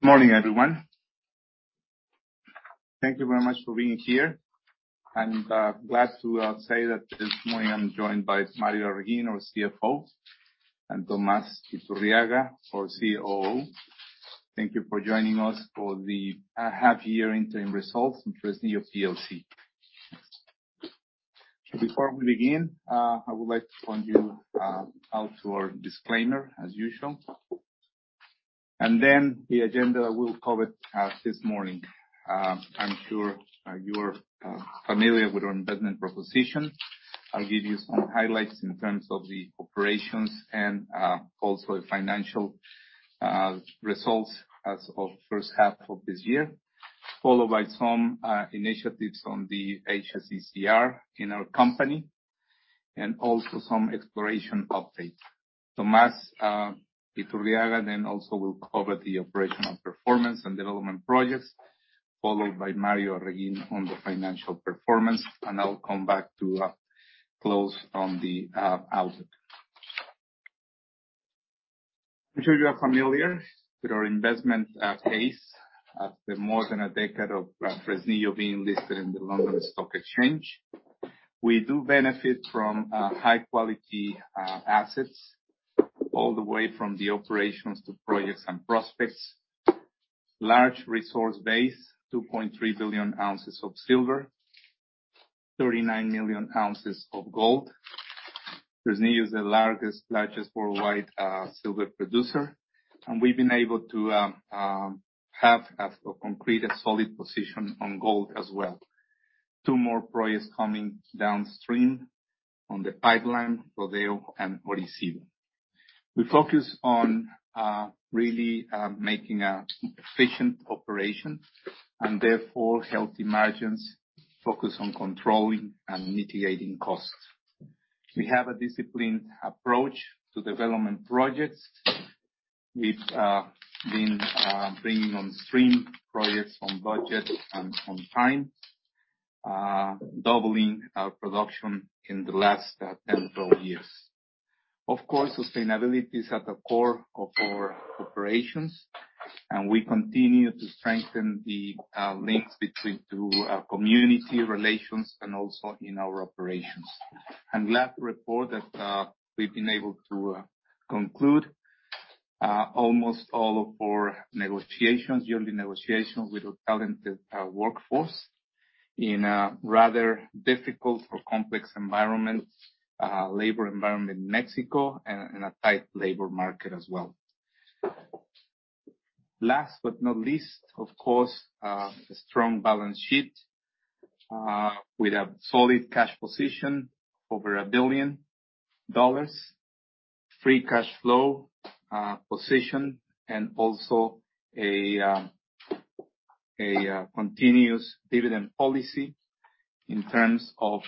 Morning, everyone. Thank you very much for being here. Glad to say that this morning I'm joined by Mario Arreguín, our CFO, and Tomás Iturriaga, our COO. Thank you for joining us for the half year interim results, Fresnillo plc. Before we begin, I would like to point out to you our disclaimer as usual. Then the agenda that we'll cover this morning. I'm sure you're familiar with our investment proposition. I'll give you some highlights in terms of the operations and also the financial results as of first half of this year, followed by some initiatives on the HSE&CR in our company, and also some exploration update. Tomás Iturriaga then also will cover the operational performance and development projects, followed by Mario Arreguín on the financial performance, and I'll come back to close on the outlook. I'm sure you are familiar with our investment case after more than a decade of Fresnillo being listed in the London Stock Exchange. We do benefit from high quality assets all the way from the operations to projects and prospects. Large resource base, 2.3 billion ounces of silver, 39 million ounces of gold. Fresnillo is the largest worldwide silver producer, and we've been able to have a complete and solid position on gold as well. Two more projects coming downstream on the pipeline, Rodeo and Orisyvo. We focus on really making an efficient operation and therefore healthy margins, focus on controlling and mitigating costs. We have a disciplined approach to development projects. We've been bringing on stream projects on budget and on time, doubling our production in the last 10, 12 years. Of course, sustainability is at the core of our operations, and we continue to strengthen the links to our community relations and also in our operations. I'm glad to report that we've been able to conclude almost all of our negotiations, yearly negotiations, with a talented workforce in a rather difficult or complex environment, labor environment in Mexico and a tight labor market as well. Last but not least, of course, a strong balance sheet with a solid cash position over $1 billion, free cash flow position, and also a continuous dividend policy in terms of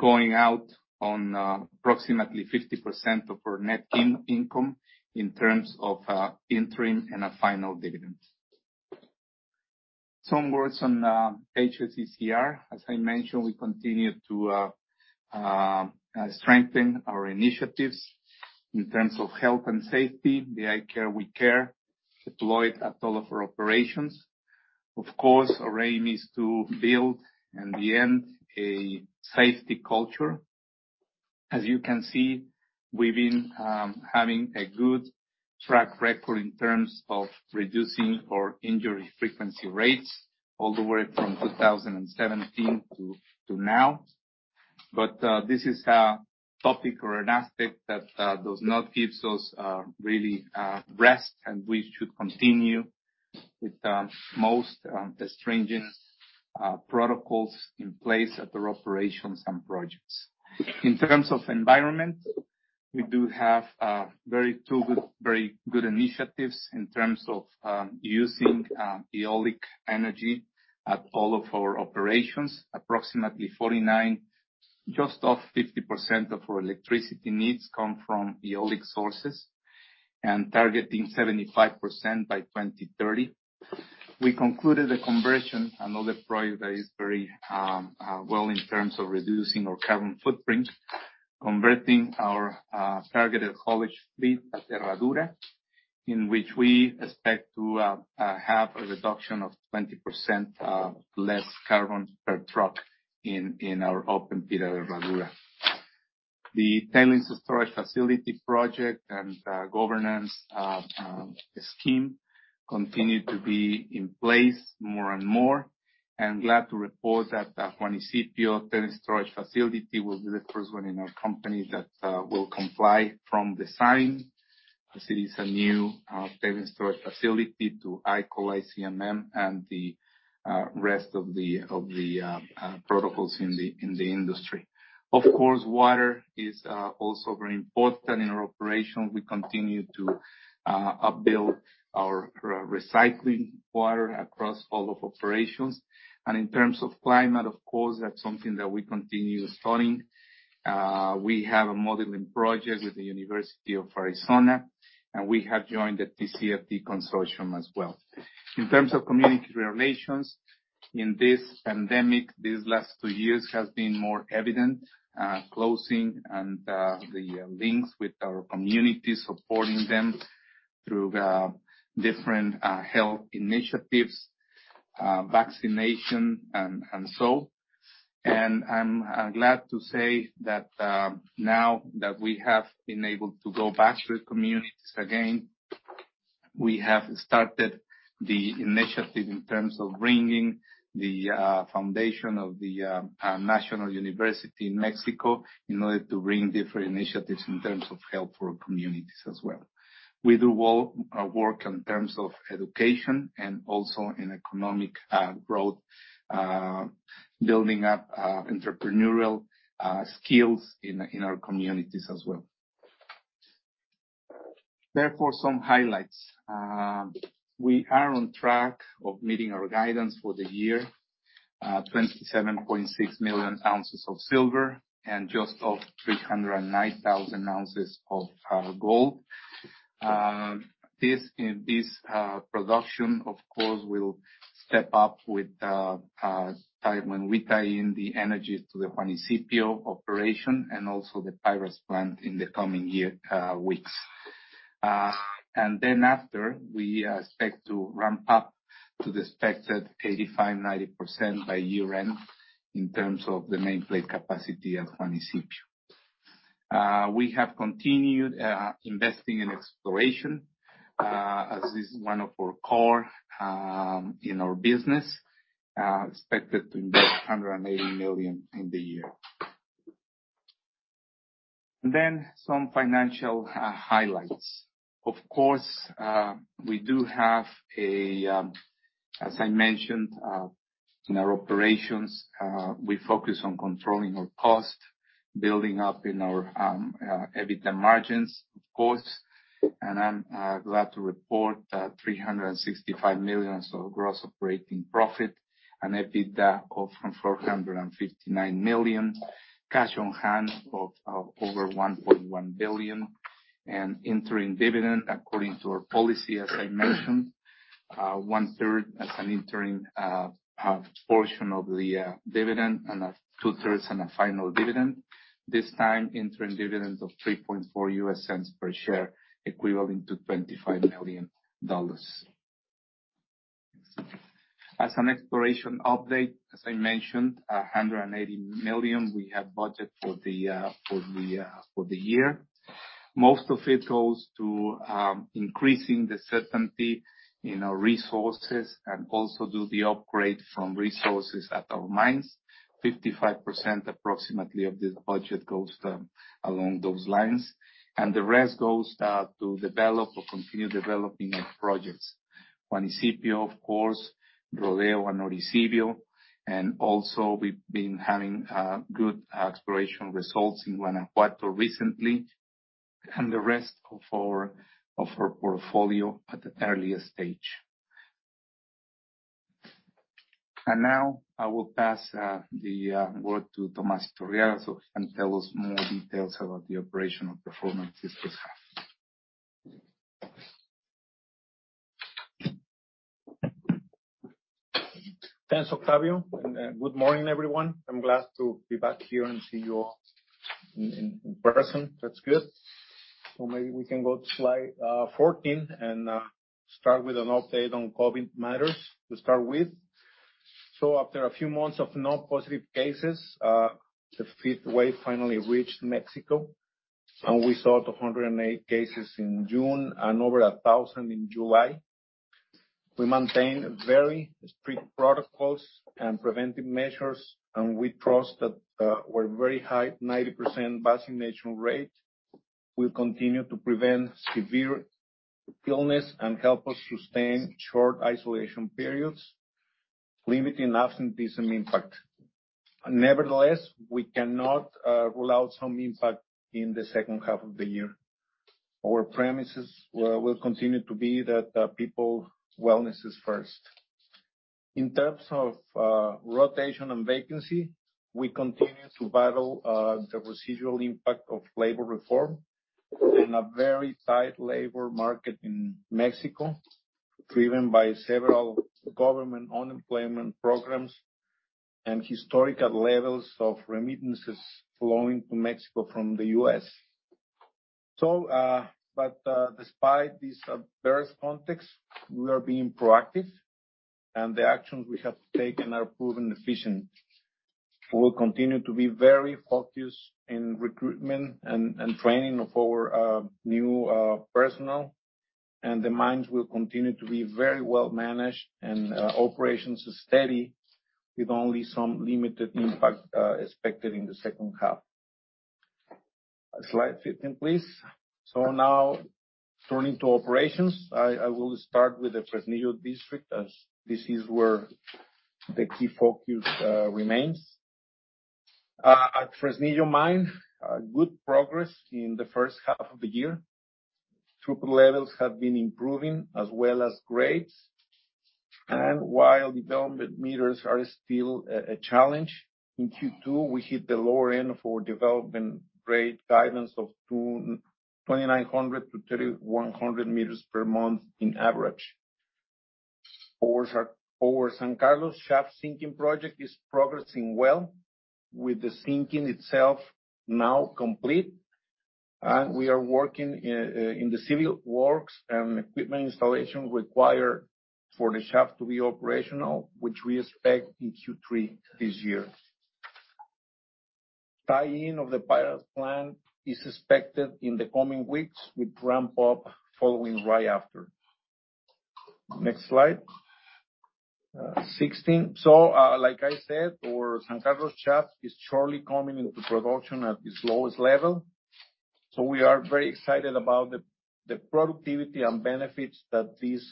payout on approximately 50% of our net income in terms of interim and a final dividend. Some words on HSE&CR. As I mentioned, we continue to strengthen our initiatives in terms of health and safety, the I Care, We Care deployed at all of our operations. Of course, our aim is to build, in the end, a safety culture. As you can see, we've been having a good track record in terms of reducing our injury frequency rates all the way from 2017 to now. This is a topic or an aspect that does not gives us really rest, and we should continue with the most stringent protocols in place at our operations and projects. In terms of environment, we do have two very good initiatives in terms of using eolic energy at all of our operations. Approximately 49%, just off 50% of our electricity needs come from eolic sources, and targeting 75% by 2030. We concluded a conversion, another project that is very well in terms of reducing our carbon footprint, converting our targeted haulage fleet at Herradura, in which we expect to have a reduction of 20% less carbon per truck in our open pit at Herradura. The Tailings Storage Facility project and governance scheme continue to be in place more and more. I'm glad to report that the Juanicipio Tailings Storage Facility will be the first one in our company that will comply from design, as it is a new tailings storage facility, to ICMM and the rest of the protocols in the industry. Of course, water is also very important in our operations. We continue to build our recycling water across all of operations. In terms of climate, of course, that's something that we continue studying. We have a modeling project with the University of Arizona. We have joined the TCFD consortium as well. In terms of community relations in this pandemic, these last two years has been more evident, closing and the links with our communities, supporting them through the different health initiatives, vaccination and so. I'm glad to say that now that we have been able to go back to the communities again, we have started the initiative in terms of bringing the foundation of the national university in Mexico in order to bring different initiatives in terms of help for our communities as well. We do work in terms of education and also in economic growth, building up entrepreneurial skills in our communities as well. Therefore, some highlights. We are on track to meet our guidance for the year, 27.6 million ounces of silver and 309,000 ounces of gold. This production, of course, will step up with the time when we tie in the synergies to the Juanicipio operation and also the Pyrites Plant in the coming weeks. We expect to ramp up to the expected 85%-90% by year-end in terms of the main plant capacity at Juanicipio. We have continued investing in exploration, as is one of our core in our business, expected to invest $180 million in the year. Some financial highlights. Of course, we do have a, as I mentioned, in our operations, we focus on controlling our costs, building up in our, EBITDA margins, of course. I'm glad to report that $365 million of gross operating profit, an EBITDA of $459 million, cash on hand of over $1.1 billion, and interim dividend according to our policy, as I mentioned, one-third as an interim portion of the dividend and a two-thirds on a final dividend. This time, interim dividend of $0.034 per share, equivalent to $25 million. As an exploration update, as I mentioned, $180 million we have budget for the year. Most of it goes to increasing the certainty in our resources and also do the upgrade from resources at our mines. 55% approximately of this budget goes to along those lines, and the rest goes to develop or continue developing our projects. Juanicipio, of course, Rodeo and Orisyvo, and also we've been having good exploration results in Guanajuato recently and the rest of our portfolio at an earlier stage. Now I will pass the word to Tomás Iturriaga, so he can tell us more details about the operational performance this year. Thanks, Octavio, and good morning, everyone. I'm glad to be back here and see you all in person. That's good. Maybe we can go to slide fourteen and start with an update on COVID matters to start with. After a few months of no positive cases, the fifth wave finally reached Mexico, and we saw 208 cases in June and over 1,000 in July. We maintain very strict protocols and preventive measures, and we trust that our very high 90% vaccination rate will continue to prevent severe illness and help us sustain short isolation periods, limiting absenteeism impact. Nevertheless, we cannot rule out some impact in the second half of the year. Our premises will continue to be that people wellness is first. In terms of rotation and vacancy, we continue to battle the residual impact of labor reform in a very tight labor market in Mexico, driven by several government unemployment programs and historical levels of remittances flowing to Mexico from the U.S. despite this adverse context, we are being proactive, and the actions we have taken are proven efficient. We will continue to be very focused in recruitment and training of our new personnel. The mines will continue to be very well managed, and operations are steady with only some limited impact expected in the second half. Slide 15, please. Now turning to operations, I will start with the Fresnillo district as this is where the key focus remains. At Fresnillo mine, good progress in the first half of the year. Throughput levels have been improving as well as grades. While development meters are still a challenge, in Q2 we hit the lower end for development rate guidance of 2,900 to 3,100 meters per month on average. For San Carlos shaft sinking project is progressing well with the sinking itself now complete. We are working in the civil works and equipment installation required for the shaft to be operational, which we expect in Q3 this year. Tie-in of the Pyrites Plant is expected in the coming weeks, with ramp-up following right after. Next slide. 16. Like I said, our San Carlos shaft is shortly coming into production at its lowest level. We are very excited about the productivity and benefits that this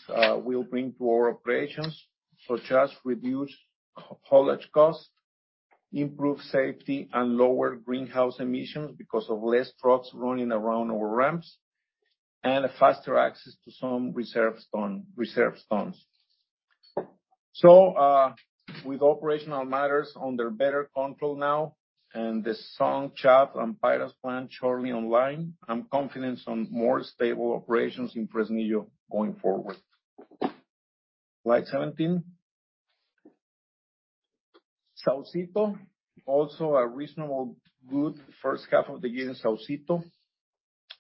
will bring to our operations. Such as reduced haulage costs, improved safety, and lower greenhouse emissions because of less trucks running around our ramps, and a faster access to some reserve stone, reserve stones. With operational matters under better control now and the San Carlos shaft and Pyrites Plant shortly online, I'm confident on more stable operations in Fresnillo going forward. Slide 17. Saucito. Also a reasonable good first half of the year in Saucito.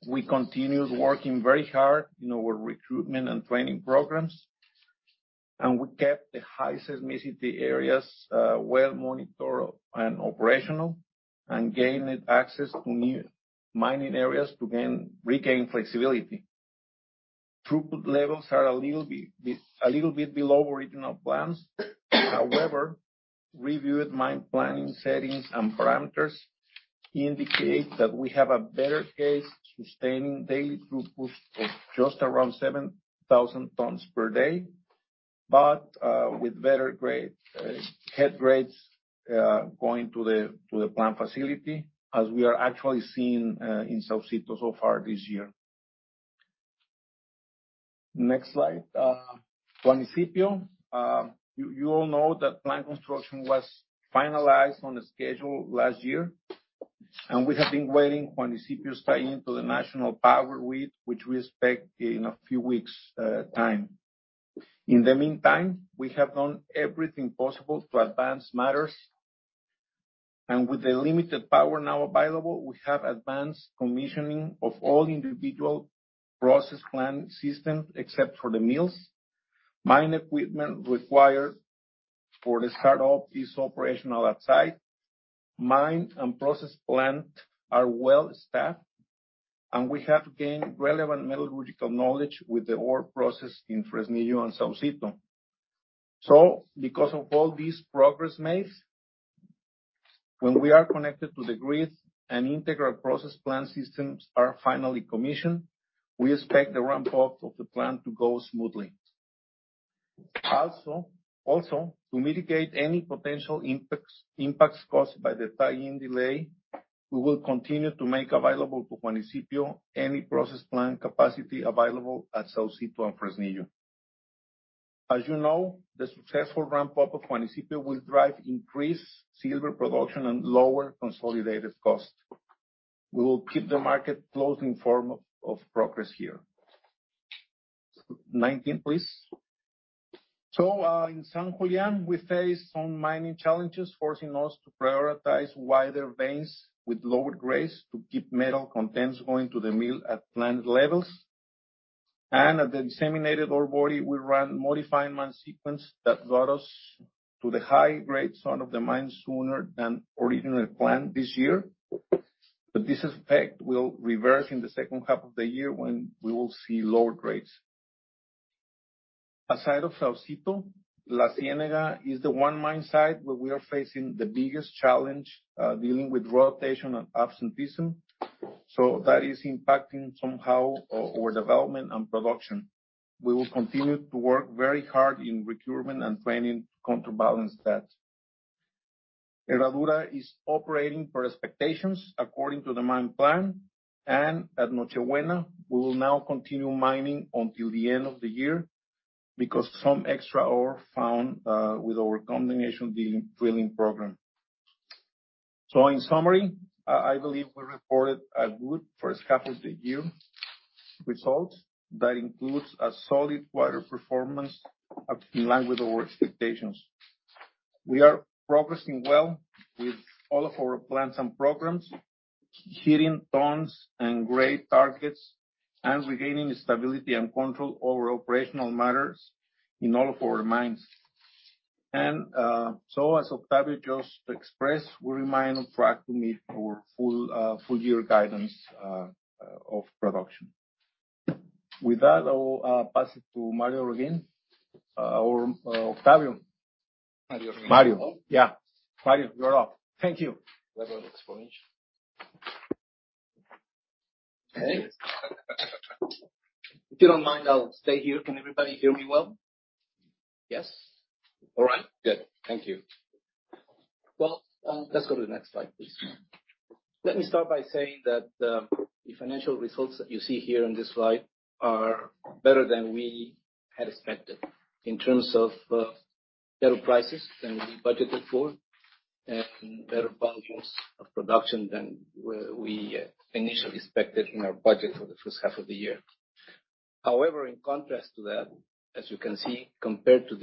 We continued working very hard in our recruitment and training programs. We kept the high seismicity areas well-monitored and operational, and gained access to new mining areas to regain flexibility. Throughput levels are a little bit below original plans. However, reviewed mine planning settings and parameters indicate that we have a better case sustaining daily throughput of just around 7,000 tons per day. With better head grades going to the plant facility as we are actually seeing in Saucito so far this year. Next slide. Juanicipio. You all know that plant construction was finalized on schedule last year. We have been waiting for Juanicipio's tie-in to the national power grid, which we expect in a few weeks' time. In the meantime, we have done everything possible to advance matters. With the limited power now available, we have advanced commissioning of all individual process plant systems except for the mills. Mine equipment required for the start-up is operational at site. Mine and process plant are well-staffed, and we have gained relevant metallurgical knowledge with the ore processed in Fresnillo and Saucito. Because of all this progress made, when we are connected to the grid and integral process plant systems are finally commissioned, we expect the ramp-up of the plant to go smoothly. Also, to mitigate any potential impacts caused by the tie-in delay, we will continue to make available to Juanicipio any process plant capacity available at Saucito and Fresnillo. As you know, the successful ramp-up of Juanicipio will drive increased silver production and lower consolidated costs. We will keep the market closely informed of progress here. 19, please. In San Julián we faced some mining challenges forcing us to prioritize wider veins with lower grades to keep metal contents going to the mill at planned levels. At the disseminated ore body we ran modified mine sequence that brought us to the high-grade zone of the mine sooner than originally planned this year. This effect will reverse in the second half of the year when we will see lower grades. Outside of Saucito, La Ciénega is the one mine site where we are facing the biggest challenge, dealing with rotation and absenteeism. That is impacting somehow our development and production. We will continue to work very hard in recruitment and training to counterbalance that. Herradura is operating per expectations according to the mine plan. At Noche Buena, we will now continue mining until the end of the year because some extra ore found with our condemnation drilling program. In summary, I believe we reported a good first half of the year result that includes a solid, wider performance in line with our expectations. We are progressing well with all of our plans and programs, hitting tons and grade targets and regaining stability and control over operational matters in all of our mines. As Octavio just expressed, we remain on track to meet our full-year guidance of production. With that, I will pass it to Mario again. Or Octavio. Mario. Mario. Yeah. Mario, you're up. Thank you. We have an explanation. Okay. If you don't mind, I'll stay here. Can everybody hear me well? Yes? All right. Good. Thank you. Well, let's go to the next slide, please. Let me start by saying that the financial results that you see here on this slide are better than we had expected in terms of better prices than we budgeted for and better volumes of production than we initially expected in our budget for the first half of the year. However, in contrast to that, as you can see, compared to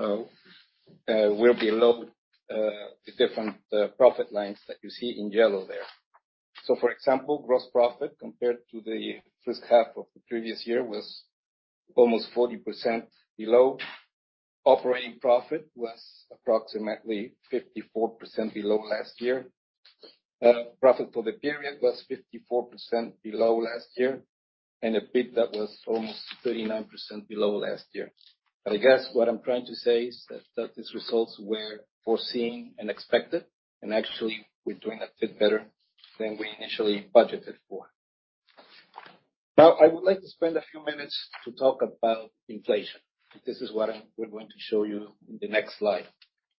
the previous year, we're below the different profit lines that you see in yellow there. For example, gross profit compared to the first half of the previous year was almost 40% below. Operating profit was approximately 54% below last year. Profit for the period was 54% below last year, and EBITDA was almost 39% below last year. I guess what I'm trying to say is that these results were foreseen and expected, and actually we're doing a bit better than we initially budgeted for. Now, I would like to spend a few minutes to talk about inflation. This is what we're going to show you in the next slide.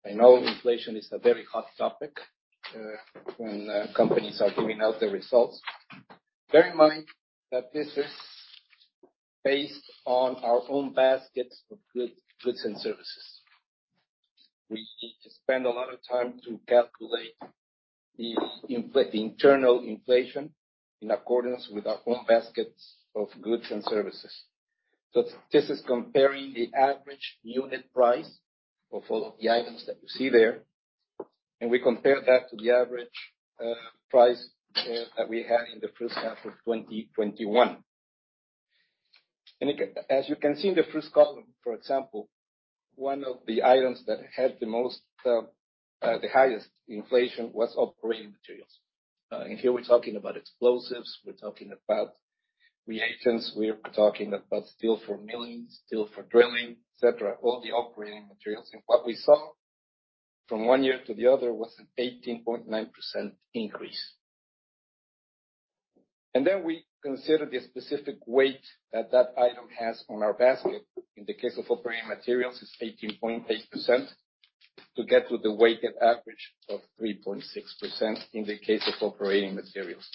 I know inflation is a very hot topic when companies are giving out their results. Bear in mind that this is based on our own baskets of goods and services. We need to spend a lot of time to calculate the internal inflation in accordance with our own baskets of goods and services. This is comparing the average unit price of all of the items that you see there, and we compare that to the average price that we had in the first half of 2021. As you can see in the first column, for example, one of the items that had the most, the highest inflation was operating materials. Here we're talking about explosives, we're talking about reagents, we're talking about steel for milling, steel for drilling, et cetera, all the operating materials. What we saw from one year to the other was an 18.9% increase. Then we consider the specific weight that that item has on our basket. In the case of operating materials, it's 18.8% to get to the weighted average of 3.6% in the case of operating materials.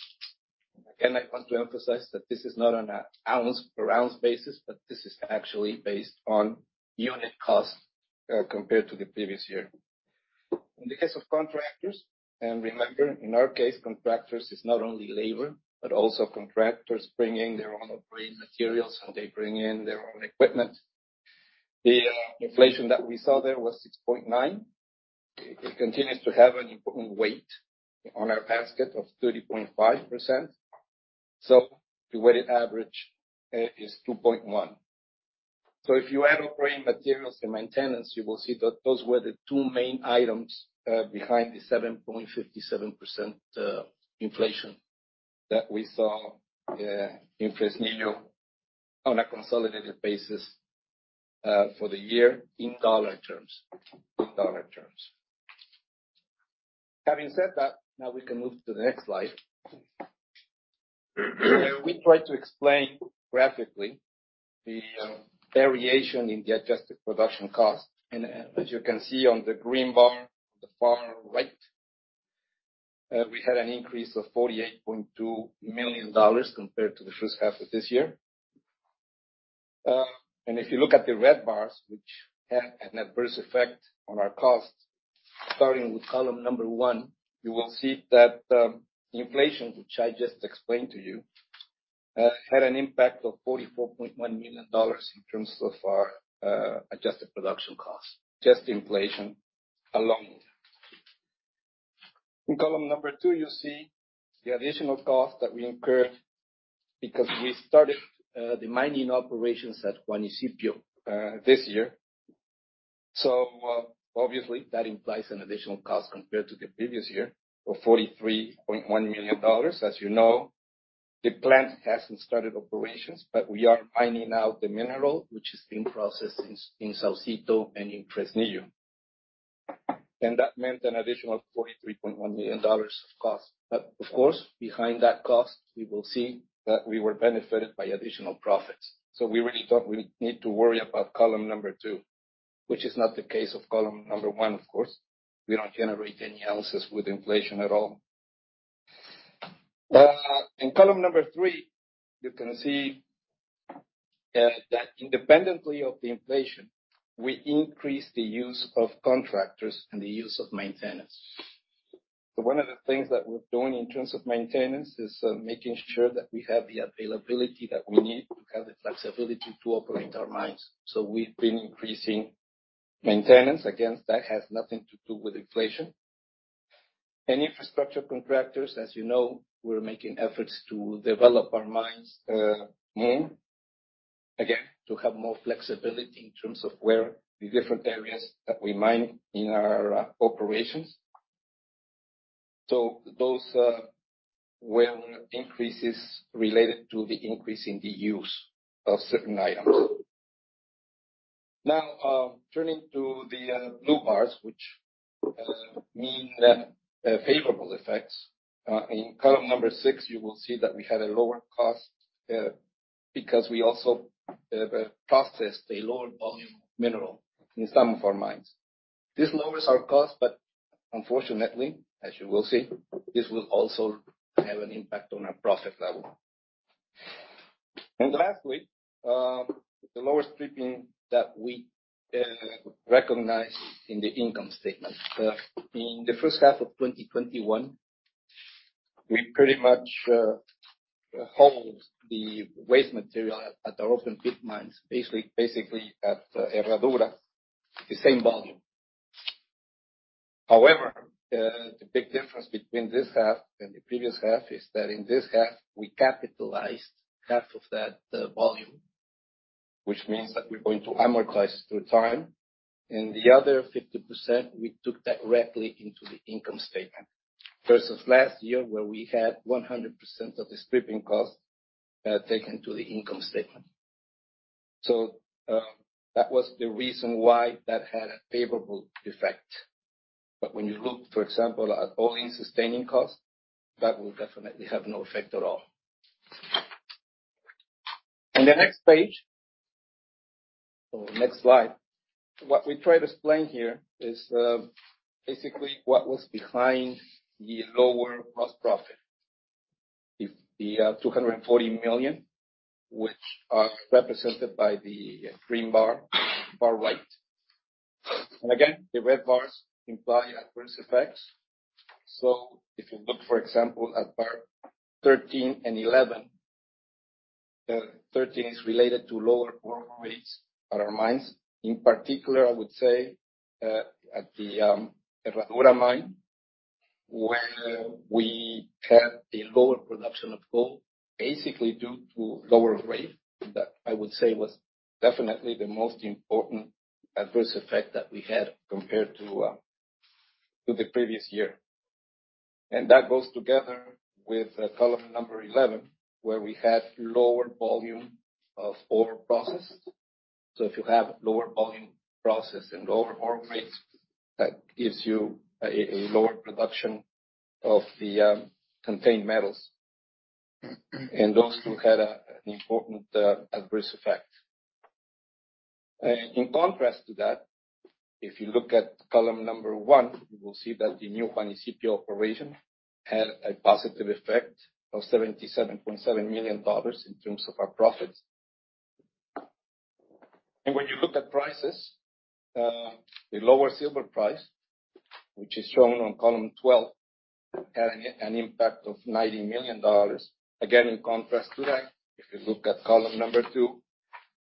Again, I want to emphasize that this is not on an ounce per ounce basis, but this is actually based on unit cost, compared to the previous year. In the case of contractors, and remember, in our case, contractors is not only labor, but also contractors bringing their own operating materials, and they bring in their own equipment. The inflation that we saw there was 6.9%. It continues to have an important weight on our basket of 30.5%. So the weighted average is 2.1. So if you add operating materials and maintenance, you will see that those were the two main items behind the 7.57% inflation that we saw in Fresnillo on a consolidated basis for the year in dollar terms. In dollar terms. Having said that, now we can move to the next slide. We tried to explain graphically the variation in the adjusted production cost. As you can see on the green bar on the far right, we had an increase of $48.2 million compared to the first half of this year. If you look at the red bars, which had an adverse effect on our costs, starting with column number one, you will see that the inflation, which I just explained to you, had an impact of $44.1 million in terms of our adjusted production costs. Just inflation alone. In column number two, you see the additional cost that we incurred because we started the mining operations at Juanicipio this year. Obviously, that implies an additional cost compared to the previous year of $43.1 million. As you know, the plant hasn't started operations, but we are mining out the mineral, which is being processed in Saucito and in Fresnillo. That meant an additional $43.1 million of cost. Of course, behind that cost, we will see that we were benefited by additional profits. We really don't need to worry about column number two, which is not the case of column number one, of course. We don't generate any less with inflation at all. In column number three, you can see that independently of the inflation, we increased the use of contractors and the use of maintenance. One of the things that we're doing in terms of maintenance is making sure that we have the availability that we need to have the flexibility to operate our mines. We've been increasing maintenance. Again, that has nothing to do with inflation. Infrastructure contractors, as you know, we're making efforts to develop our mines, more, again, to have more flexibility in terms of where the different areas that we mine in our operations. Those were increases related to the increase in the use of certain items. Now, turning to the blue bars, which mean favorable effects. In column number six, you will see that we had a lower cost because we also processed a lower volume mineral in some of our mines. This lowers our cost, but unfortunately, as you will see, this will also have an impact on our profit level. Lastly, the lower stripping that we recognized in the income statement. In the first half of 2021, we pretty much hauled the waste material at our open pit mines, basically at Herradura, the same volume. However, the big difference between this half and the previous half is that in this half, we capitalized half of that volume, which means that we're going to amortize through time. The other 50%, we took directly into the income statement. Versus last year, where we had 100% of the stripping costs taken to the income statement. That was the reason why that had a favorable effect. When you look, for example, at all-in sustaining costs, that will definitely have no effect at all. On the next page or next slide, what we try to explain here is basically what was behind the lower gross profit. If the $240 million, which are represented by the green bar, far right. Again, the red bars imply adverse effects. If you look, for example, at bar 13 and 11, 13 is related to lower ore grades at our mines. In particular, I would say at the Herradura mine, where we had a lower production of gold, basically due to lower grade. That, I would say, was definitely the most important adverse effect that we had compared to the previous year. That goes together with column number 11, where we had lower volume of ore processed. If you have lower volume processed and lower ore grades, that gives you a lower production of the contained metals. Those two had an important adverse effect. In contrast to that, if you look at column number one, you will see that the new Juanicipio operation had a positive effect of $77.7 million in terms of our profits. When you look at prices, the lower silver price, which is shown on column 12, had an impact of $90 million. Again, in contrast to that, if you look at column number two,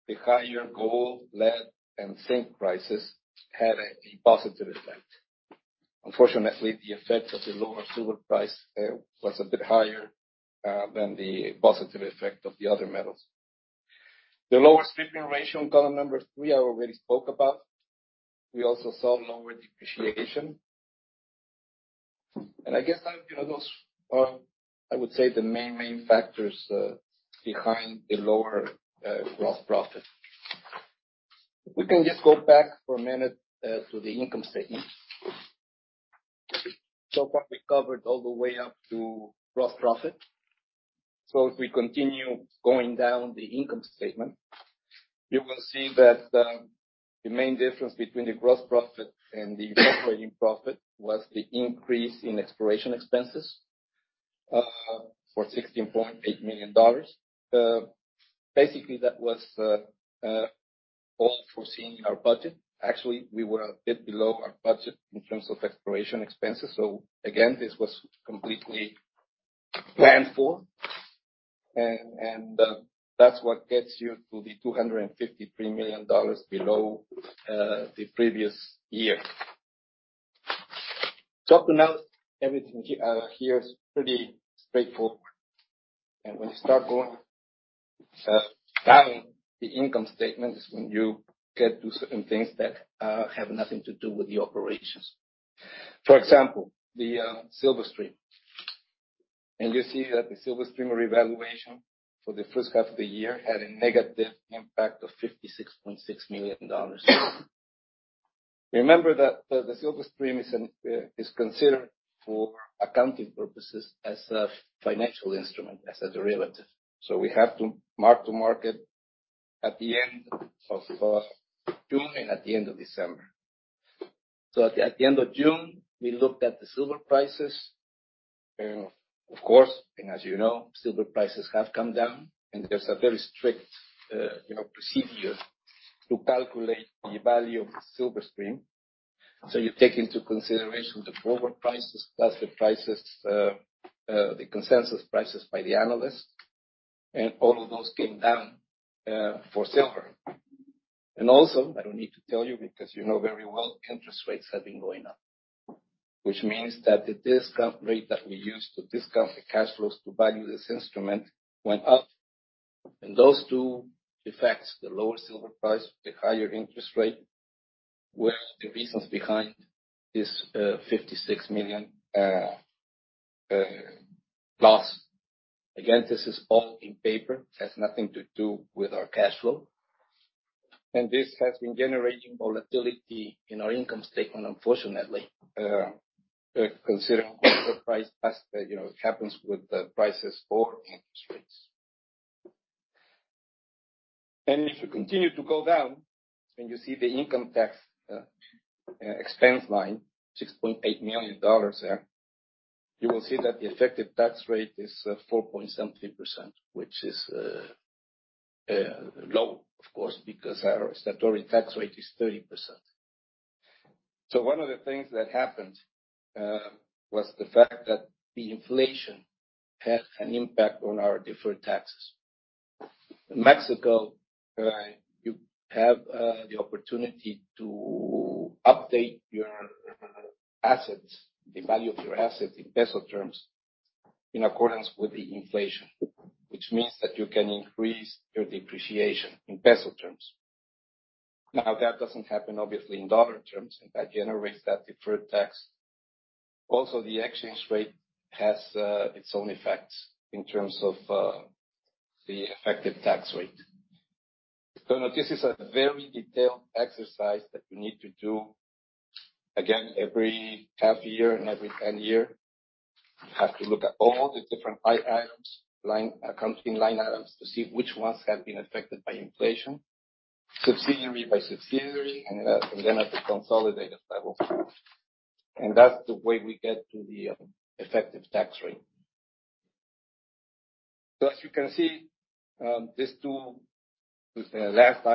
the higher gold, lead, and zinc prices had a positive effect. Unfortunately, the effect of the lower silver price was a bit higher than the positive effect of the other metals. The lower stripping ratio in column number three, I already spoke about. We also saw lower depreciation. I guess that, you know, those are, I would say, the main factors behind the lower gross profit. We can just go back for a minute to the income statement. So far, we covered all the way up to gross profit. If we continue going down the income statement, you will see that the main difference between the gross profit and the operating profit was the increase in exploration expenses for $16.8 million. Basically, that was all foreseen in our budget. Actually, we were a bit below our budget in terms of exploration expenses. Again, this was completely planned for. And that's what gets you to the $253 million below the previous year. Up to now, everything here is pretty straightforward. When you start going down the income statement is when you get to certain things that have nothing to do with the operations. For example, the silver stream. You see that the silver stream revaluation for the first half of the year had a negative impact of $56.6 million. Remember that the silver stream is considered for accounting purposes as a financial instrument, as a derivative. We have to mark to market at the end of June and at the end of December. At the end of June, we looked at the silver prices. Of course, as you know, silver prices have come down, and there's a very strict procedure to calculate the value of the silver stream. You take into consideration the forward prices plus the consensus prices by the analysts, and all of those came down for silver. I don't need to tell you because you know very well, interest rates have been going up. Which means that the discount rate that we use to discount the cash flows to value this instrument went up. Those two effects, the lower silver price, the higher interest rate, were the reasons behind this $56 million loss. Again, this is all in paper. It has nothing to do with our cash flow. This has been generating volatility in our income statement, unfortunately, considering the price as, you know, it happens with the prices for interest rates. If you continue to go down, when you see the income tax expense line, $6.8 million there, you will see that the effective tax rate is low of course, because our statutory tax rate is 30%. One of the things that happened was the fact that the inflation had an impact on our deferred taxes. In Mexico, you have the opportunity to update your assets, the value of your assets in peso terms, in accordance with the inflation. Which means that you can increase your depreciation in peso terms. Now, that doesn't happen obviously in dollar terms, and that generates that deferred tax. Also, the exchange rate has its own effects in terms of the effective tax rate. This is a very detailed exercise that you need to do again every half year and every end year. You have to look at all the different line items, accounting line items to see which ones have been affected by inflation, subsidiary by subsidiary, and then at the consolidated level. That's the way we get to the effective tax rate. As you can see, these two, let's say last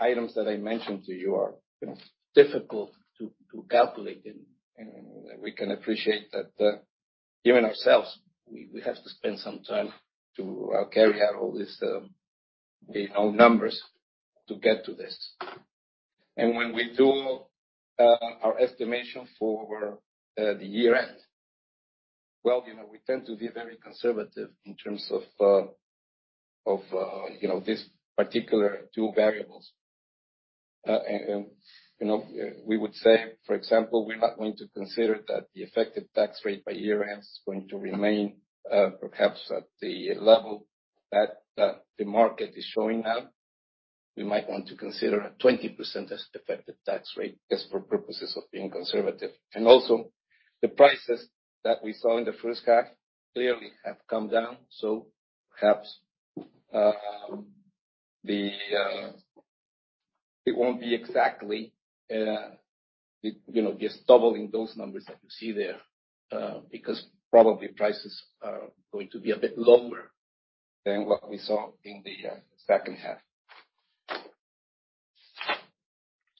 items that I mentioned to you are difficult to calculate. We can appreciate that, even ourselves, we have to spend some time to carry out all this, you know, numbers to get to this. When we do our estimation for the year end, well, you know, we tend to be very conservative in terms of, you know, these particular two variables. You know, we would say, for example, we're not going to consider that the effective tax rate by year end is going to remain, perhaps at the level that the market is showing now. We might want to consider 20% as the effective tax rate, just for purposes of being conservative. Also, the prices that we saw in the first half clearly have come down, so perhaps it won't be exactly, you know, just doubling those numbers that you see there, because probably prices are going to be a bit lower than what we saw in the second half.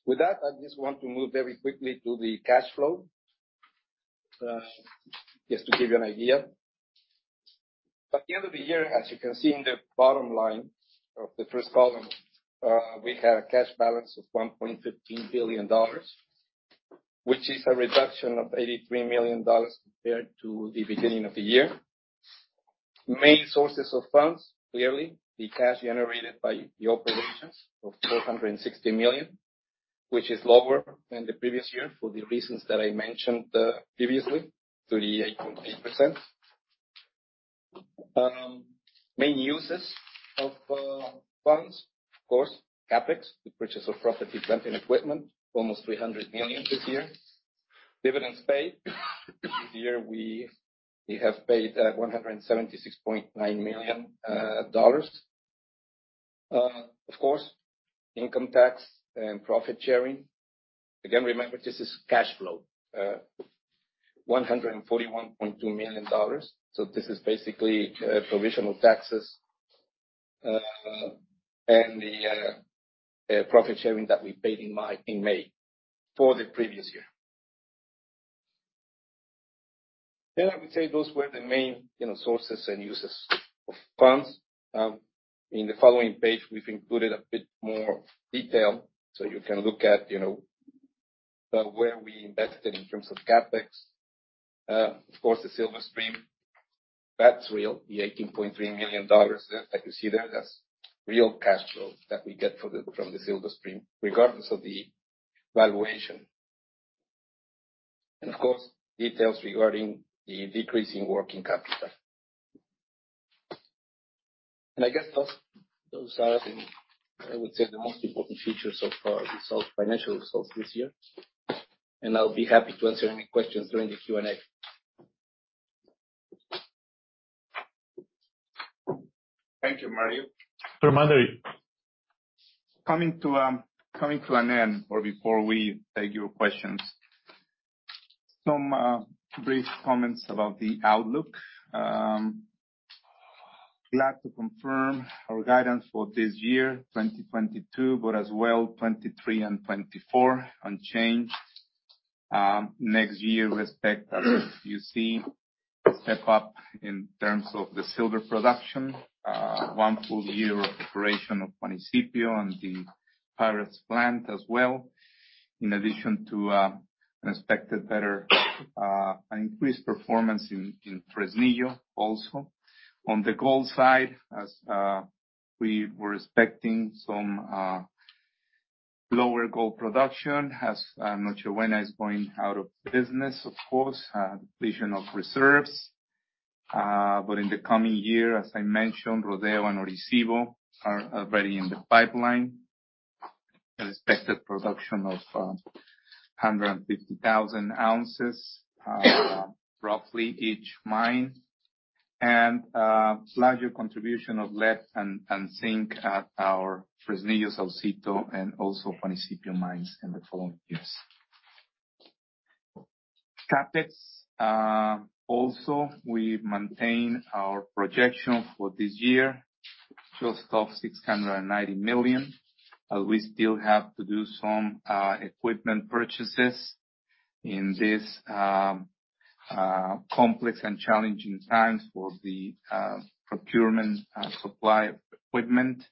With that, I just want to move very quickly to the cash flow, just to give you an idea. By the end of the year, as you can see in the bottom line of the first column, we have a cash balance of $1.15 billion, which is a reduction of $83 million compared to the beginning of the year. Main sources of funds, clearly the cash generated by the operations of $460 million, which is lower than the previous year for the reasons that I mentioned previously, 38.8%. Main uses of funds, of course, CAPEX, the purchase of property, plant, and equipment, almost $300 million this year. Dividends paid. This year we have paid $176.9 million. Of course, income tax and profit sharing. Again, remember this is cash flow. $141.2 million. This is basically provisional taxes and the profit sharing that we paid in May for the previous year. I would say those were the main, you know, sources and uses of funds. In the following page, we've included a bit more detail, so you can look at, you know, where we invested in terms of CAPEX. Of course, the silver stream, that's real. The $18.3 million that you see there, that's real cash flow that we get from the silver stream, regardless of the valuation. Of course, details regarding the decrease in working capital. I guess those are the, I would say, the most important features so far, the sales financial results this year. I'll be happy to answer any questions during the Q&A. Thank you, Mario. Sure, Mario. Coming to an end or before we take your questions, some brief comments about the outlook. Glad to confirm our guidance for this year, 2022, but as well, 2023 and 2024 unchanged. Next year expect, as you see, a step up in terms of the silver production. One full year of operation of Juanicipio and the Pyrites Plant as well. In addition to an expected better an increased performance in Fresnillo also. On the gold side, as we were expecting some lower gold production as Noche Buena is going out of business, of course, depletion of reserves. In the coming year, as I mentioned, Rodeo and Orisyvo are already in the pipeline. An expected production of 150,000 ounces, roughly each mine. Larger contribution of lead and zinc at our Fresnillo, Saucito, and also Juanicipio mines in the following years. CAPEX, also we maintain our projection for this year, just of $690 million, as we still have to do some equipment purchases in this complex and challenging times for the procurement and supply of equipment.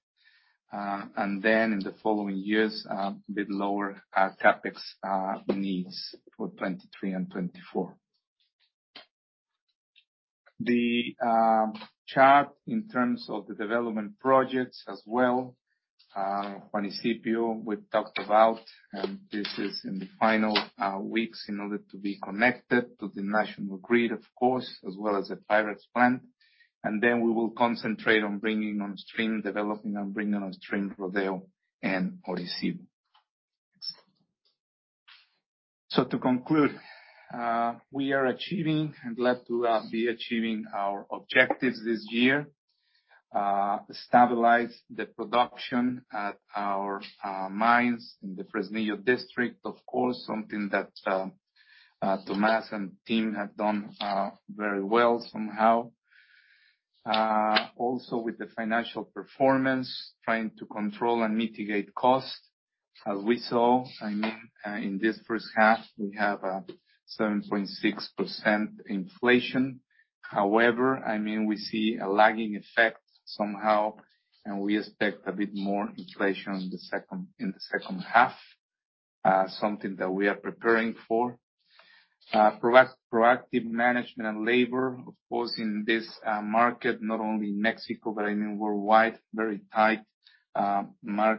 In the following years, a bit lower CAPEX needs for 2023 and 2024. The chart in terms of the development projects as well, Juanicipio we've talked about, and this is in the final weeks in order to be connected to the national grid, of course, as well as the Pyrites Plant. Then we will concentrate on bringing on stream, developing and bringing on stream Rodeo and Orisyvo. To conclude, we are achieving and glad to be achieving our objectives this year. Stabilize the production at our mines in the Fresnillo district, of course, something that Tomás and team have done very well somehow. Also with the financial performance, trying to control and mitigate costs. As we saw, I mean, in this first half, we have a 7.6% inflation. However, I mean, we see a lagging effect somehow, and we expect a bit more inflation in the second half. Something that we are preparing for. Proactive management and labor, of course, in this market, not only in Mexico, but I mean, worldwide, very tight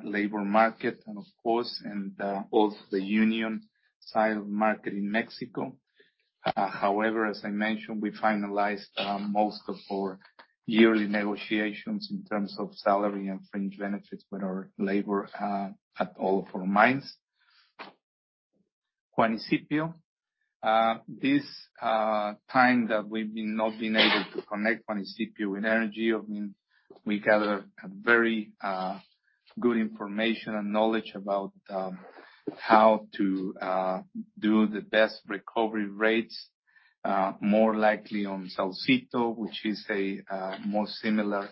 labor market and of course, also the union side of market in Mexico. However, as I mentioned, we finalized most of our yearly negotiations in terms of salary and fringe benefits with our labor at all of our mines. Juanicipio, this time that we have not been able to connect Juanicipio with energy, I mean, we gather a very good information and knowledge about how to do the best recovery rates, more likely on Saucito, which is a more similar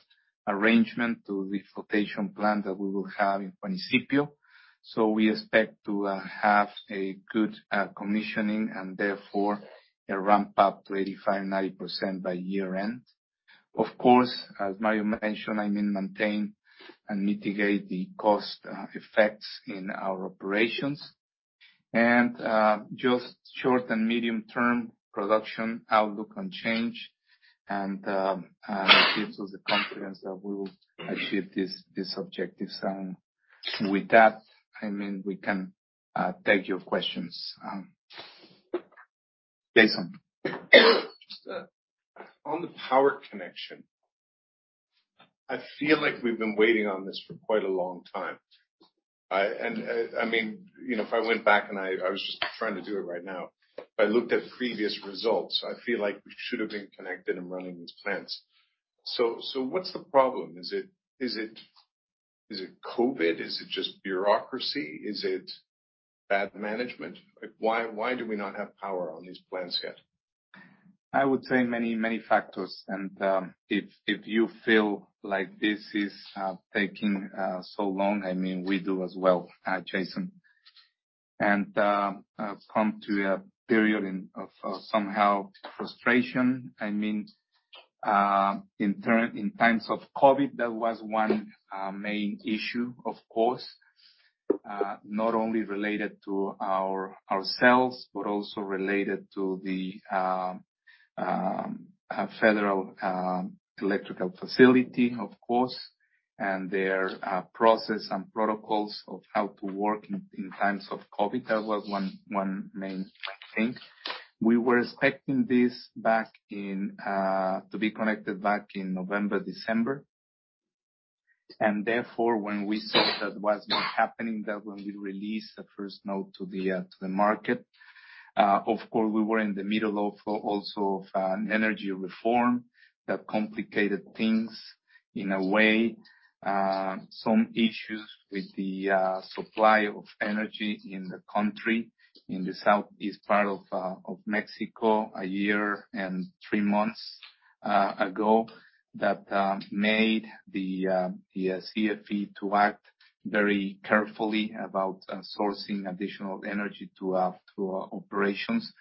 arrangement to the flotation plant that we will have in Juanicipio. We expect to have a good commissioning and therefore a ramp up to 85%-90% by year-end. Of course, as Mario mentioned, I mean, maintain and mitigate the cost effects in our operations. Just short and medium-term production outlook and change gives us the confidence that we will achieve these objectives. With that, I mean, we can take your questions, Jason. Just on the power connection, I feel like we've been waiting on this for quite a long time. I mean, you know, if I went back and I was just trying to do it right now. If I looked at previous results, I feel like we should have been connected and running these plants. What's the problem? Is it COVID? Is it just bureaucracy? Is it bad management? Like, why do we not have power on these plants yet? I would say many factors. If you feel like this is taking so long, I mean, we do as well, Jason. We come to a period of some frustration. I mean, in times of COVID, that was one main issue, of course, not only related to ourselves, but also related to the federal electrical facility, of course, and their process and protocols of how to work in times of COVID. That was one main thing. We were expecting this to be connected back in November, December. Therefore, when we saw that was not happening, when we released the first note to the market, of course, we were in the middle of also of an energy reform that complicated things in a way. Some issues with the supply of energy in the country, in the southeast part of Mexico, a year and three months ago, that made the CFE to act very carefully about sourcing additional energy to our operations.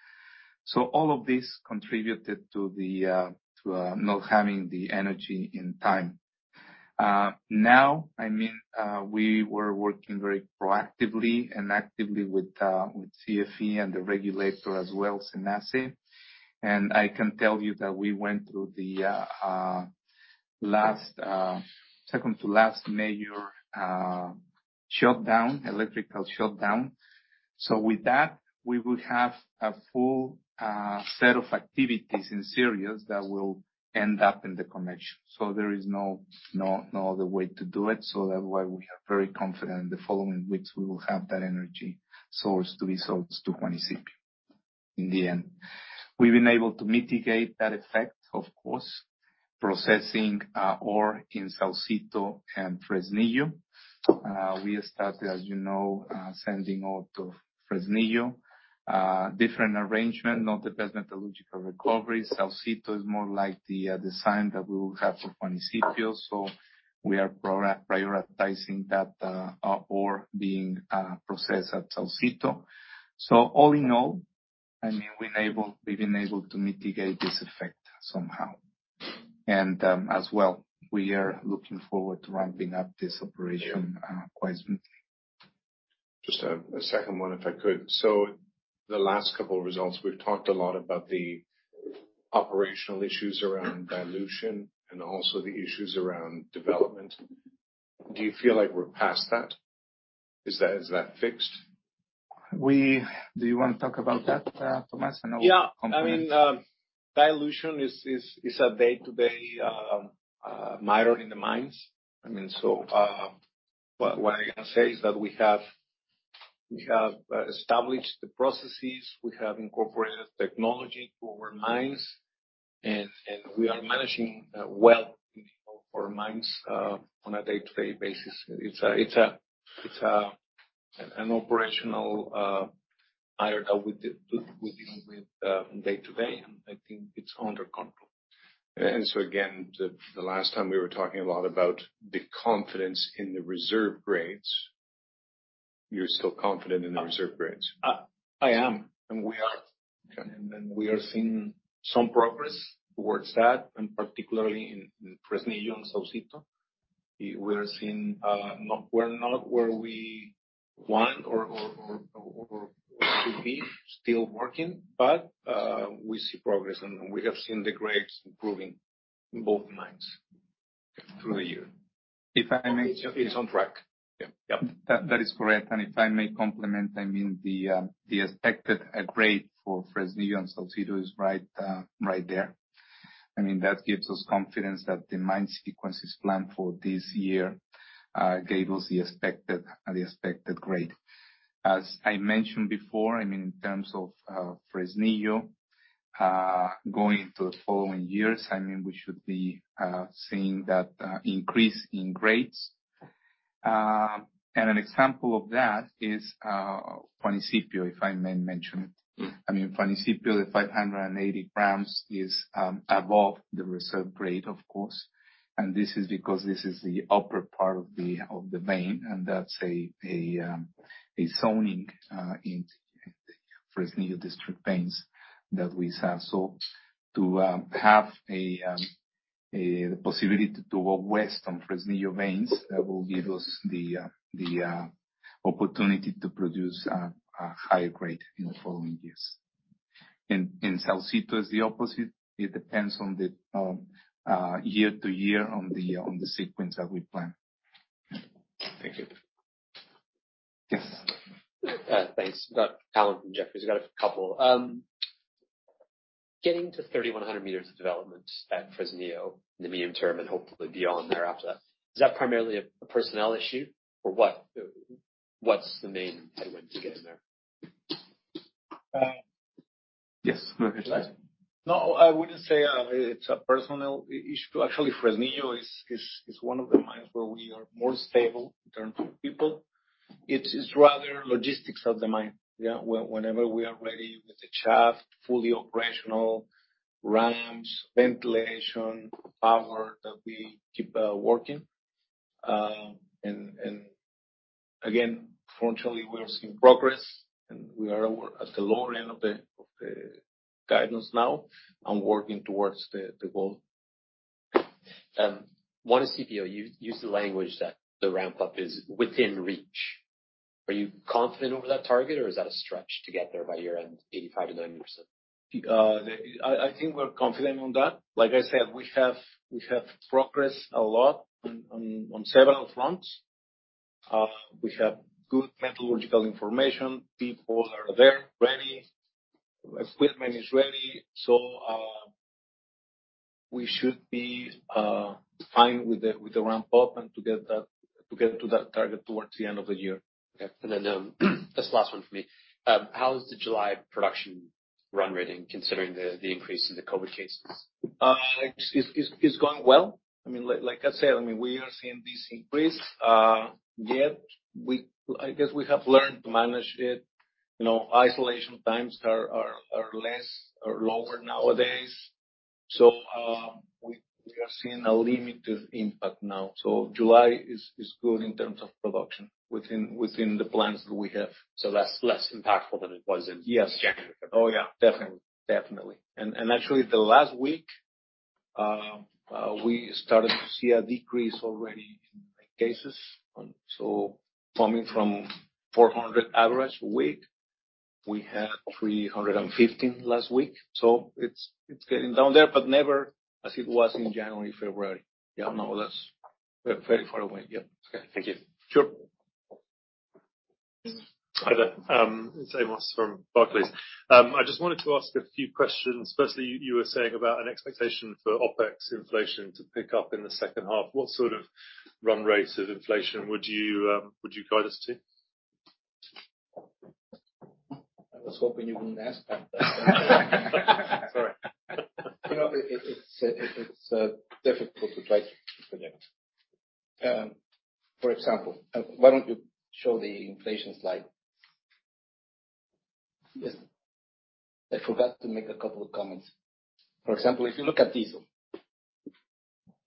All of this contributed to not having the energy in time. I mean, we were working very proactively and actively with CFE and the regulator as well, CENACE. I can tell you that we went through the second-to-last major electrical shutdown. With that, we will have a full set of activities in series that will end up in the commission. There is no other way to do it. That's why we are very confident in the following weeks we will have that energy source to be sourced to Juanicipio in the end. We've been able to mitigate that effect, of course, processing ore in Saucito and Fresnillo. We started, as you know, sending ore to Fresnillo, different arrangement, not the best metallurgical recovery. Saucito is more like the design that we will have for Juanicipio, so we are prioritizing that ore being processed at Saucito. All in all, I mean, we've been able to mitigate this effect somehow. As well, we are looking forward to ramping up this operation quite soon. Just, a second one, if I could. The last couple results, we've talked a lot about the operational issues around dilution and also the issues around development. Do you feel like we're past that? Is that, is that fixed? Do you wanna talk about that, Tomás? I will compliment. Yeah. I mean, dilution is a day-to-day matter in the mines. I mean, what I can say is that we have established the processes. We have incorporated technology to our mines, and we are managing well in all our mines on a day-to-day basis. It's an operational item that we deal with day to day, and I think it's under control. The last time we were talking a lot about the confidence in the reserve grades. You're still confident in the reserve grades? I am, and we are. Okay. We are seeing some progress towards that, and particularly in Fresnillo and Saucito. We are seeing. We're not where we want or should be, still working, but we see progress and we have seen the grades improving in both mines through the year. If I may. It's on track. Yeah. Yep. That is correct. If I may comment, I mean, the expected grade for Fresnillo and Saucito is right there. I mean, that gives us confidence that the mine sequence is planned for this year, gives us the expected grade. As I mentioned before, I mean, in terms of Fresnillo going into the following years, I mean, we should be seeing that increase in grades. An example of that is Juanicipio, if I may mention it. I mean, Juanicipio, the 580 grams is above the reserve grade, of course. This is because this is the upper part of the vein, and that's a zoning in the Fresnillo district veins that we have. To have a possibility to go west on Fresnillo veins, that will give us the opportunity to produce a higher grade in the following years. In Saucito, it's the opposite. It depends on the year to year on the sequence that we plan. Thank you. Yes. Thanks. I got a couple. Getting to 3,100 meters of development at Fresnillo in the medium term and hopefully beyond there after that. Is that primarily a personnel issue? Or what's the main headwind to get in there? Yes. Go ahead. No, I wouldn't say it's a personnel issue. Actually, Fresnillo is one of the mines where we are more stable in terms of people. It is rather logistics of the mine. Yeah. Whenever we are ready with the shaft, fully operational ramps, ventilation, power that we keep working. Again, fortunately, we are seeing progress, and we are at the lower end of the guidance now and working towards the goal. One COO, you used the language that the ramp-up is within reach. Are you confident over that target or is that a stretch to get there by year-end, 85%-90%? I think we're confident on that. Like I said, we have progressed a lot on several fronts. We have good metallurgical information. People are there, ready. Equipment is ready. We should be fine with the ramp-up and to get to that target towards the end of the year. Okay. Just last one from me. How is the July production run rate considering the increase in the COVID cases? It's going well. I mean, like I said, I mean, we are seeing this increase. I guess we have learned to manage it. You know, isolation times are less or lower nowadays. We are seeing a limited impact now. July is good in terms of production within the plans that we have. Less impactful than it was in January. Yes. Oh, yeah. Definitely. Actually, last week, we started to see a decrease already in cases. Coming from 400 average a week. We had 315 last week. It's getting down there, but never as it was in January, February. Yeah, no, that's very far away. Yeah. Okay. Thank you. Sure. Hi there. It's Amos from Barclays. I just wanted to ask a few questions. Firstly, you were saying about an expectation for OPEX inflation to pick up in the second half. What sort of run rate of inflation would you guide us to? I was hoping you wouldn't ask that. Sorry. You know, it's difficult to try to predict. For example, why don't you show the inflation slide? Yes. I forgot to make a couple of comments. For example, if you look at diesel.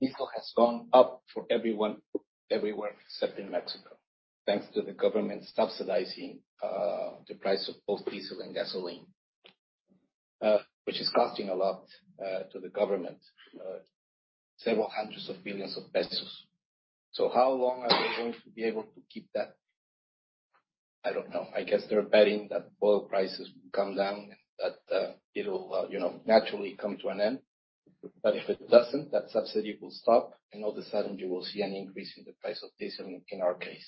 Diesel has gone up for everyone everywhere, except in Mexico, thanks to the government subsidizing the price of both diesel and gasoline. Which is costing a lot to the government, several hundred billion of pesos. How long are they going to be able to keep that? I don't know. I guess they're betting that oil prices will come down and that it'll you know, naturally come to an end. If it doesn't, that subsidy will stop, and all of a sudden you will see an increase in the price of diesel in our case.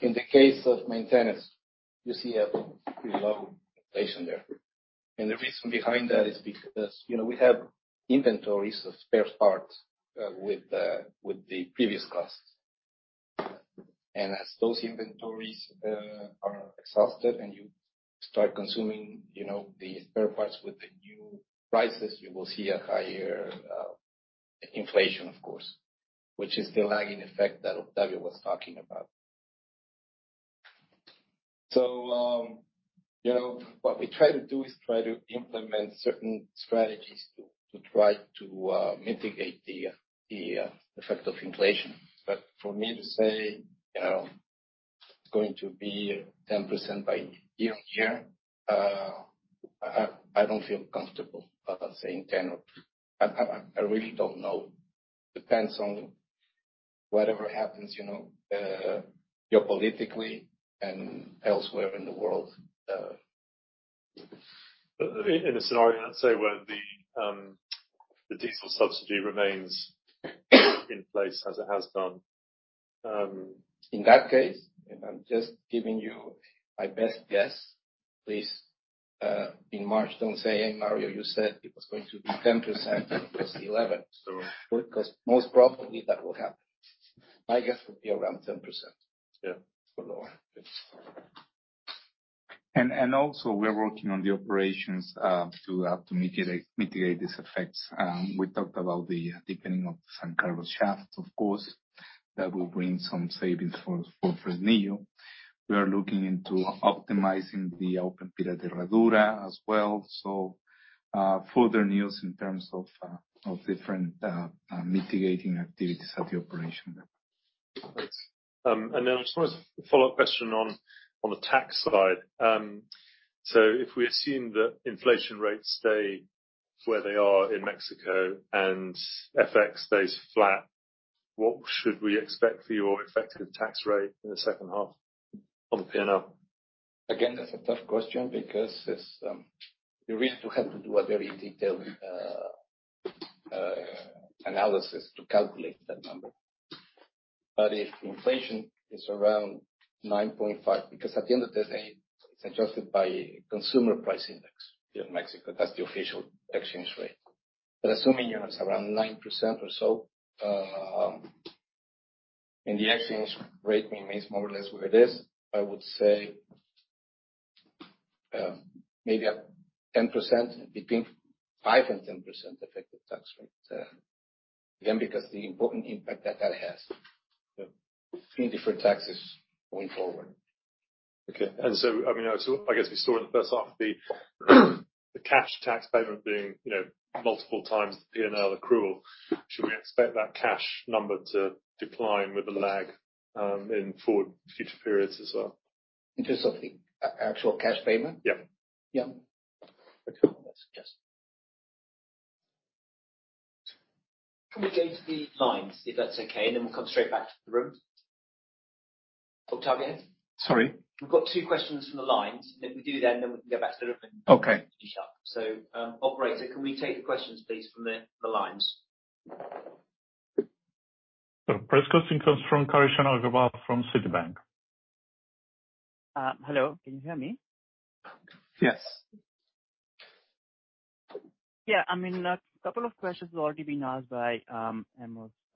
In the case of maintenance, you see a pretty low inflation there. The reason behind that is because, you know, we have inventories of spare parts with the previous costs. As those inventories are exhausted and you start consuming, you know, the spare parts with the new prices, you will see a higher inflation, of course, which is the lagging effect that Octavio was talking about. What we try to do is try to implement certain strategies to try to mitigate the effect of inflation. For me to say, you know, it's going to be 10% year-on-year, I really don't know. Depends on whatever happens, you know, geopolitically and elsewhere in the world. In a scenario, let's say, where the diesel subsidy remains in place as it has done. In that case, and I'm just giving you my best guess. Please, in March, don't say, "Mario, you said it was going to be 10% and it was 11%. Sure. Because most probably that will happen. My guess would be around 10%. Yeah. For the one. Thanks. Also we are working on the operations to mitigate these effects. We talked about the deepening of San Carlos shaft, of course. That will bring some savings for Fresnillo. We are looking into optimizing the open pit at Herradura as well. Further news in terms of different mitigating activities at the operation level. Thanks. I just want a follow-up question on the tax side. If we assume that inflation rates stay where they are in Mexico and FX stays flat, what should we expect for your effective tax rate in the second half on the P&L? Again, that's a tough question because it's. You really have to do a very detailed analysis to calculate that number. If inflation is around 9.5, because at the end of the day, it's adjusted by consumer price index here in Mexico. That's the official exchange rate. Assuming you have around 9% or so, and the exchange rate remains more or less where it is, I would say, maybe 10%, between 5% and 10% effective tax rate. Again, because the important impact that that has, you know, three different taxes going forward. I mean, I guess we saw in the first half the cash tax payment being, you know, multiple times the P&L accrual. Should we expect that cash number to decline with a lag in forward future periods as well? In terms of the actual cash payment? Yeah. Yeah. I think that's just. Can we go to the lines if that's okay, and then we'll come straight back to the room? Octavio? Sorry. We've got two questions from the lines. If we do them, then we can go back to the room. Okay. finish up. Operator, can we take the questions, please, from the lines? First question comes from Krishan Agarwal from Citibank. Hello. Can you hear me? Yes. Yeah. I mean, a couple of questions have already been asked by Amos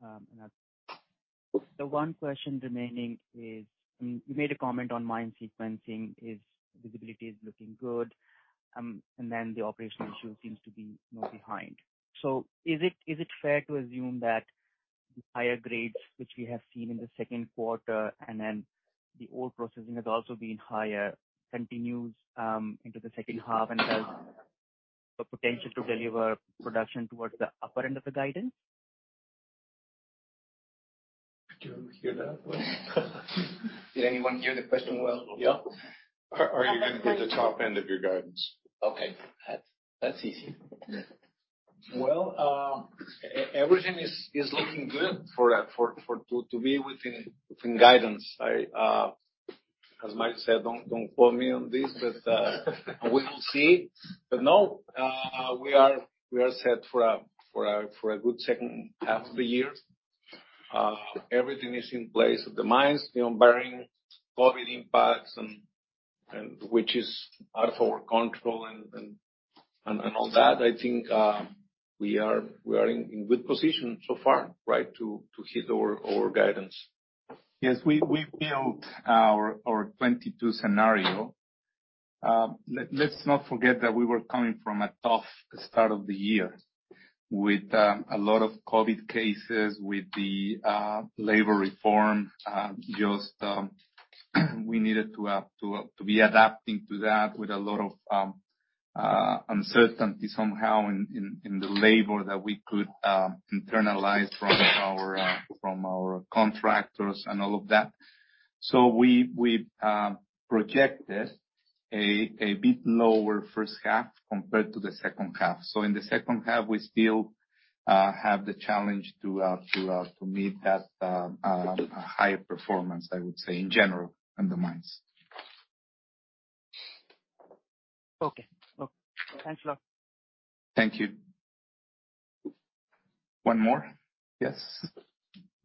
and others. The one question remaining is you made a comment on mine sequencing is visibility is looking good and then the operational issue seems to be more behind. Is it fair to assume that the higher grades which we have seen in the second quarter and then the ore processing has also been higher continues into the second half and has the potential to deliver production towards the upper end of the guidance? Do you hear that well? Did anyone hear the question well? Yeah. Are you gonna hit the top end of your guidance? Okay. That's easy. Well, everything is looking good to be within guidance. As Mike said, don't quote me on this. We will see. No, we are set for a good second half of the year. Everything is in place at the mines, you know, barring COVID impacts and all that. I think we are in good position so far, right, to hit our guidance. Yes. We've built our 2022 scenario. Let's not forget that we were coming from a tough start of the year with a lot of COVID cases, with the labor reform. Just, we needed to be adapting to that with a lot of uncertainty somehow in the labor that we could internalize from our contractors and all of that. We projected a bit lower first half compared to the second half. In the second half, we still have the challenge to meet that higher performance, I would say, in general in the mines. Okay. Well, thanks a lot. Thank you. One more. Yes.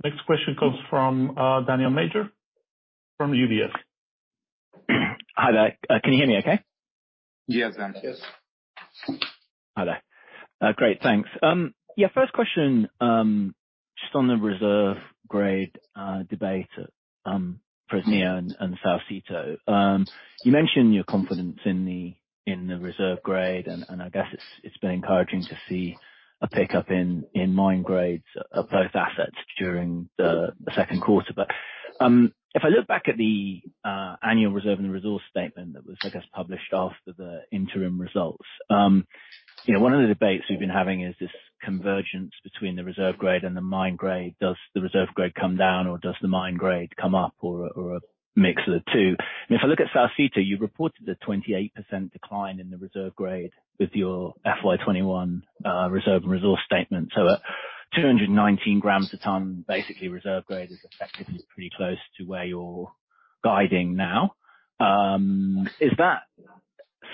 Next question comes from Daniel Major from UBS. Hi there. Can you hear me okay? Yes, Daniel. Yes. Hi there. Great, thanks. Yeah, first question, just on the reserve grade debate, Fresnillo and Saucito. You mentioned your confidence in the reserve grade, and I guess it's been encouraging to see a pickup in mine grades at both assets during the second quarter. If I look back at the annual reserve and resource statement that was, I guess, published after the interim results, you know, one of the debates we've been having is this convergence between the reserve grade and the mine grade. Does the reserve grade come down, or does the mine grade come up or a mix of the two? If I look at Saucito, you've reported a 28% decline in the reserve grade with your FY 2021 reserve and resource statement. At 219 grams a ton, basically reserve grade is effectively pretty close to where you're guiding now. Is that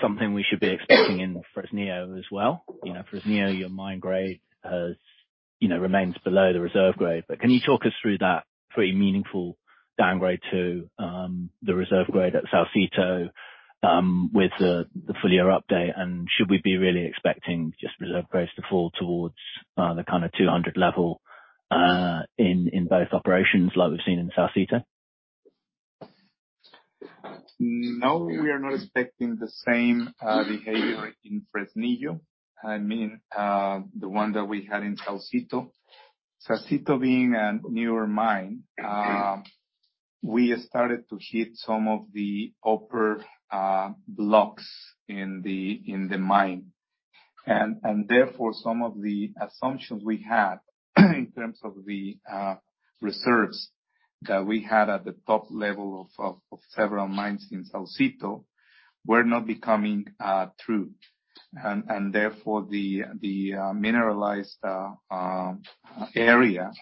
something we should be expecting in Fresnillo as well? You know, Fresnillo, your mine grade has, you know, remains below the reserve grade. Can you talk us through that pretty meaningful downgrade to the reserve grade at Saucito with the full year update? And should we be really expecting just reserve grades to fall towards the kind of 200 level in both operations like we've seen in Saucito? No, we are not expecting the same behavior in Fresnillo. I mean, the one that we had in Saucito. Saucito being a newer mine, we started to hit some of the upper blocks in the mine. Therefore, some of the assumptions we had in terms of the reserves that we had at the top level of several mines in Saucito were not becoming true. Therefore, the mineralized area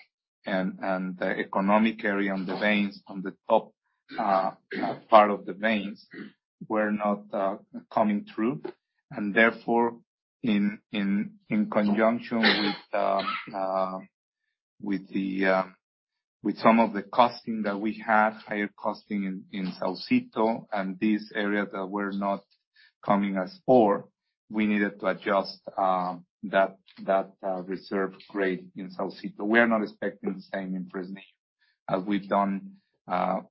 and the economic area on the veins, on the top part of the veins were not coming through. Therefore, in conjunction with some of the costing that we had, higher costing in Saucito and these areas that were not coming as ore, we needed to adjust that reserve grade in Saucito. We are not expecting the same in Fresnillo, as we've done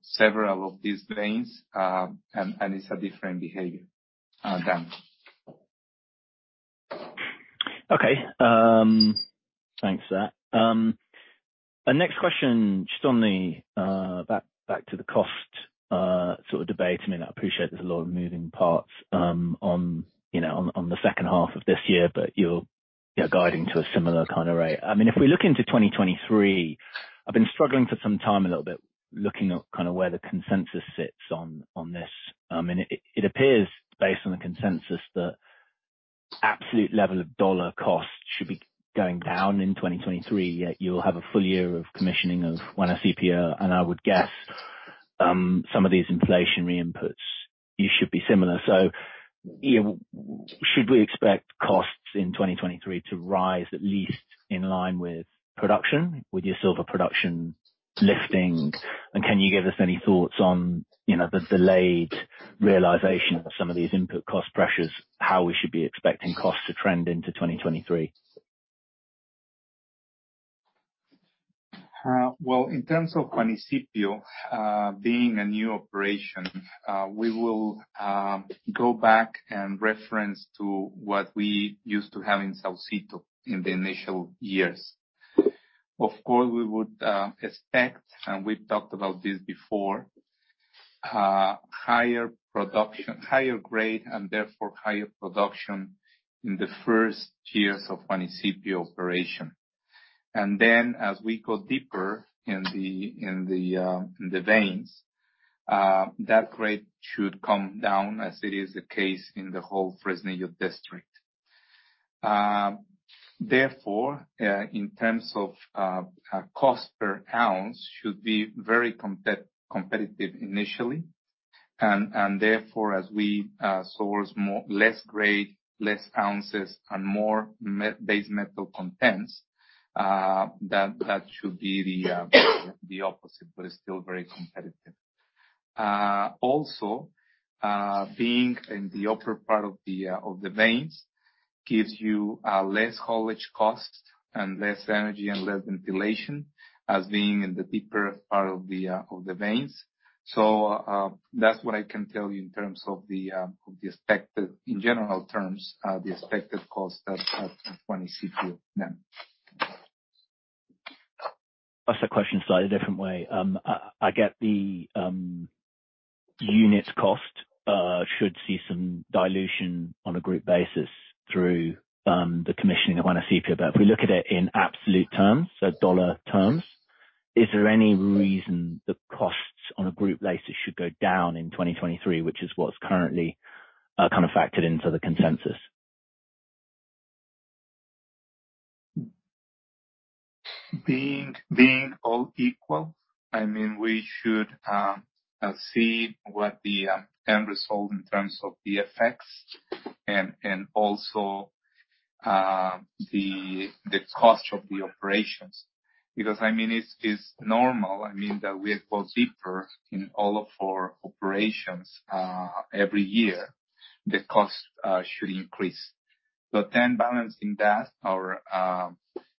several of these veins. It's a different behavior, Dan. Okay. Thanks for that. Our next question, just on the back to the cost sort of debate. I mean, I appreciate there's a lot of moving parts on, you know, on the second half of this year, but you're guiding to a similar kind of rate. I mean, if we look into 2023, I've been struggling for some time a little bit, looking at kind of where the consensus sits on this. I mean, it appears based on the consensus that absolute level of dollar costs should be going down in 2023, yet you'll have a full year of commissioning of Guanacepe. I would guess some of these inflationary inputs, you should be similar. You know, should we expect costs in 2023 to rise at least in line with production, with your silver production lifting? Can you give us any thoughts on, you know, the delayed realization of some of these input cost pressures, how we should be expecting costs to trend into 2023? Well, in terms of Juanicipio, being a new operation, we will go back and reference to what we used to have in Saucito in the initial years. Of course, we would expect, and we've talked about this before, higher production, higher grade, and therefore higher production in the first years of Juanicipio operation. As we go deeper in the veins, that grade should come down as it is the case in the whole Fresnillo district. Therefore, in terms of a cost per ounce should be very competitive initially. Therefore, as we source more less grade, less ounces and more base metal contents, that should be the opposite. It's still very competitive. Also, being in the upper part of the veins gives you less haulage costs and less energy and less ventilation as being in the deeper part of the veins. That's what I can tell you in terms of in general terms, the expected cost at Juanicipio mine. Ask the question slightly different way. I get the unit cost should see some dilution on a group basis through the commissioning of Juanicipio. If we look at it in absolute terms, so dollar terms, is there any reason the costs on a group basis should go down in 2023, which is what's currently kind of factored into the consensus? All else being equal, I mean, we should see what the end result in terms of the effects and also the cost of the operations. Because, I mean, it's normal. I mean, that we go deeper in all of our operations every year, the cost should increase. Balancing that or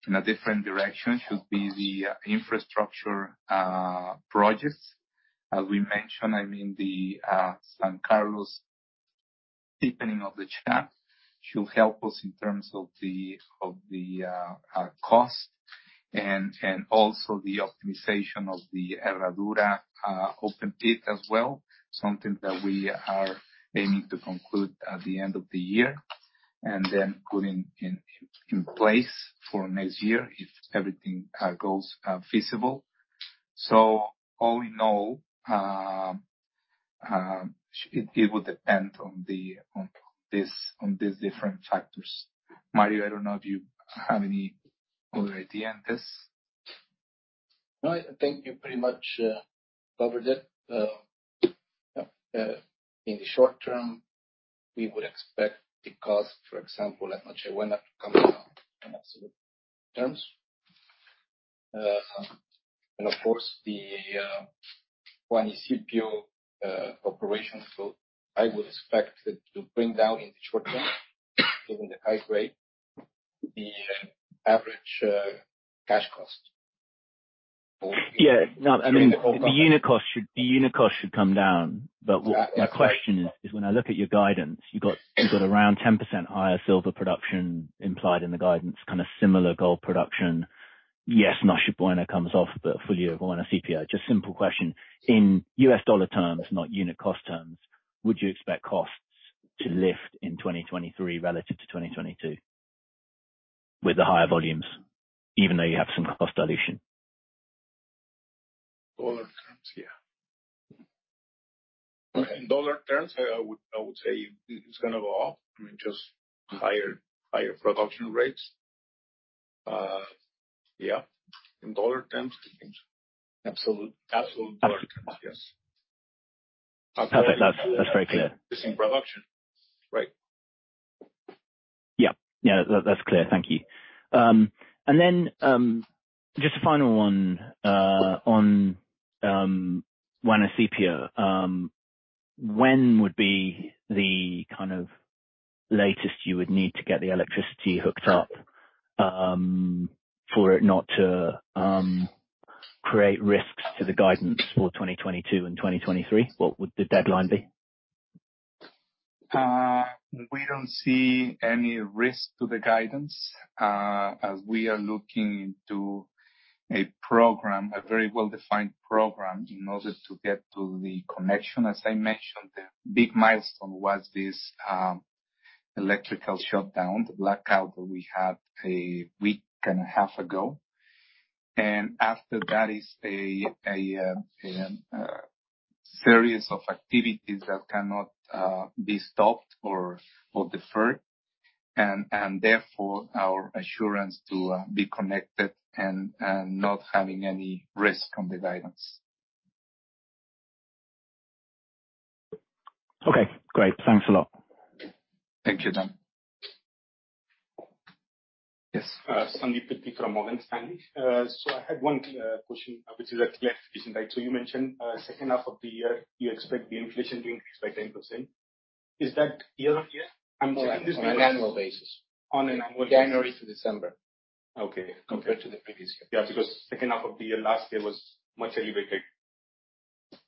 in a different direction should be the infrastructure projects. As we mentioned, I mean, the San Carlos deepening of the shaft should help us in terms of the cost and also the optimization of the Herradura open pit as well, something that we are aiming to conclude at the end of the year. Put in place for next year if everything goes feasible. All in all, it would depend on this, on these different factors. Mario, I don't know if you have any other idea on this. No, I think you pretty much covered it. In the short term, we would expect the cost, for example, at Noche Buena to come down in absolute terms. Of course the Juanicipio operations will, I would expect it to bring down in the short term, given the high grade, the average cash cost. Yeah. No, I mean. During the whole- The unit cost should come down. My question is when I look at your guidance, you got around 10% higher silver production implied in the guidance, kind of similar gold production. Yes, Noche Buena comes off, but full year of Juanicipio. Just simple question. In U.S. dollar terms, not unit cost terms, would you expect costs to lift in 2023 relative to 2022 with the higher volumes even though you have some cost dilution? Dollar terms, yeah. In dollar terms, I would say it's gonna go up. I mean, just higher production rates. Yeah. In dollar terms, it means absolute dollar terms, yes. Perfect. That's very clear. Increase in production. Right. Yeah. Yeah, that's clear. Thank you. Just a final one on Juanicipio. When would be the kind of latest you would need to get the electricity hooked up, for it not to create risks to the guidance for 2022 and 2023? What would the deadline be? We don't see any risk to the guidance, as we are looking into a program, a very well-defined program, in order to get to the connection. As I mentioned, the big milestone was this electrical shutdown, the blackout that we had a week and a half ago. After that is a series of activities that cannot be stopped or deferred. Therefore, our assurance to be connected and not having any risk on the guidance. Okay, great. Thanks a lot. Thank you, Dan. Yes. Sandeep Peety from Morgan Stanley. I had one question which is related to recent data. You mentioned second half of the year you expect the inflation to increase by 10%. Is that year on year? I'm checking this. On an annual basis. On an annual basis. January to December. Okay. Compared to the previous year. Yeah, because second half of the year last year was much elevated.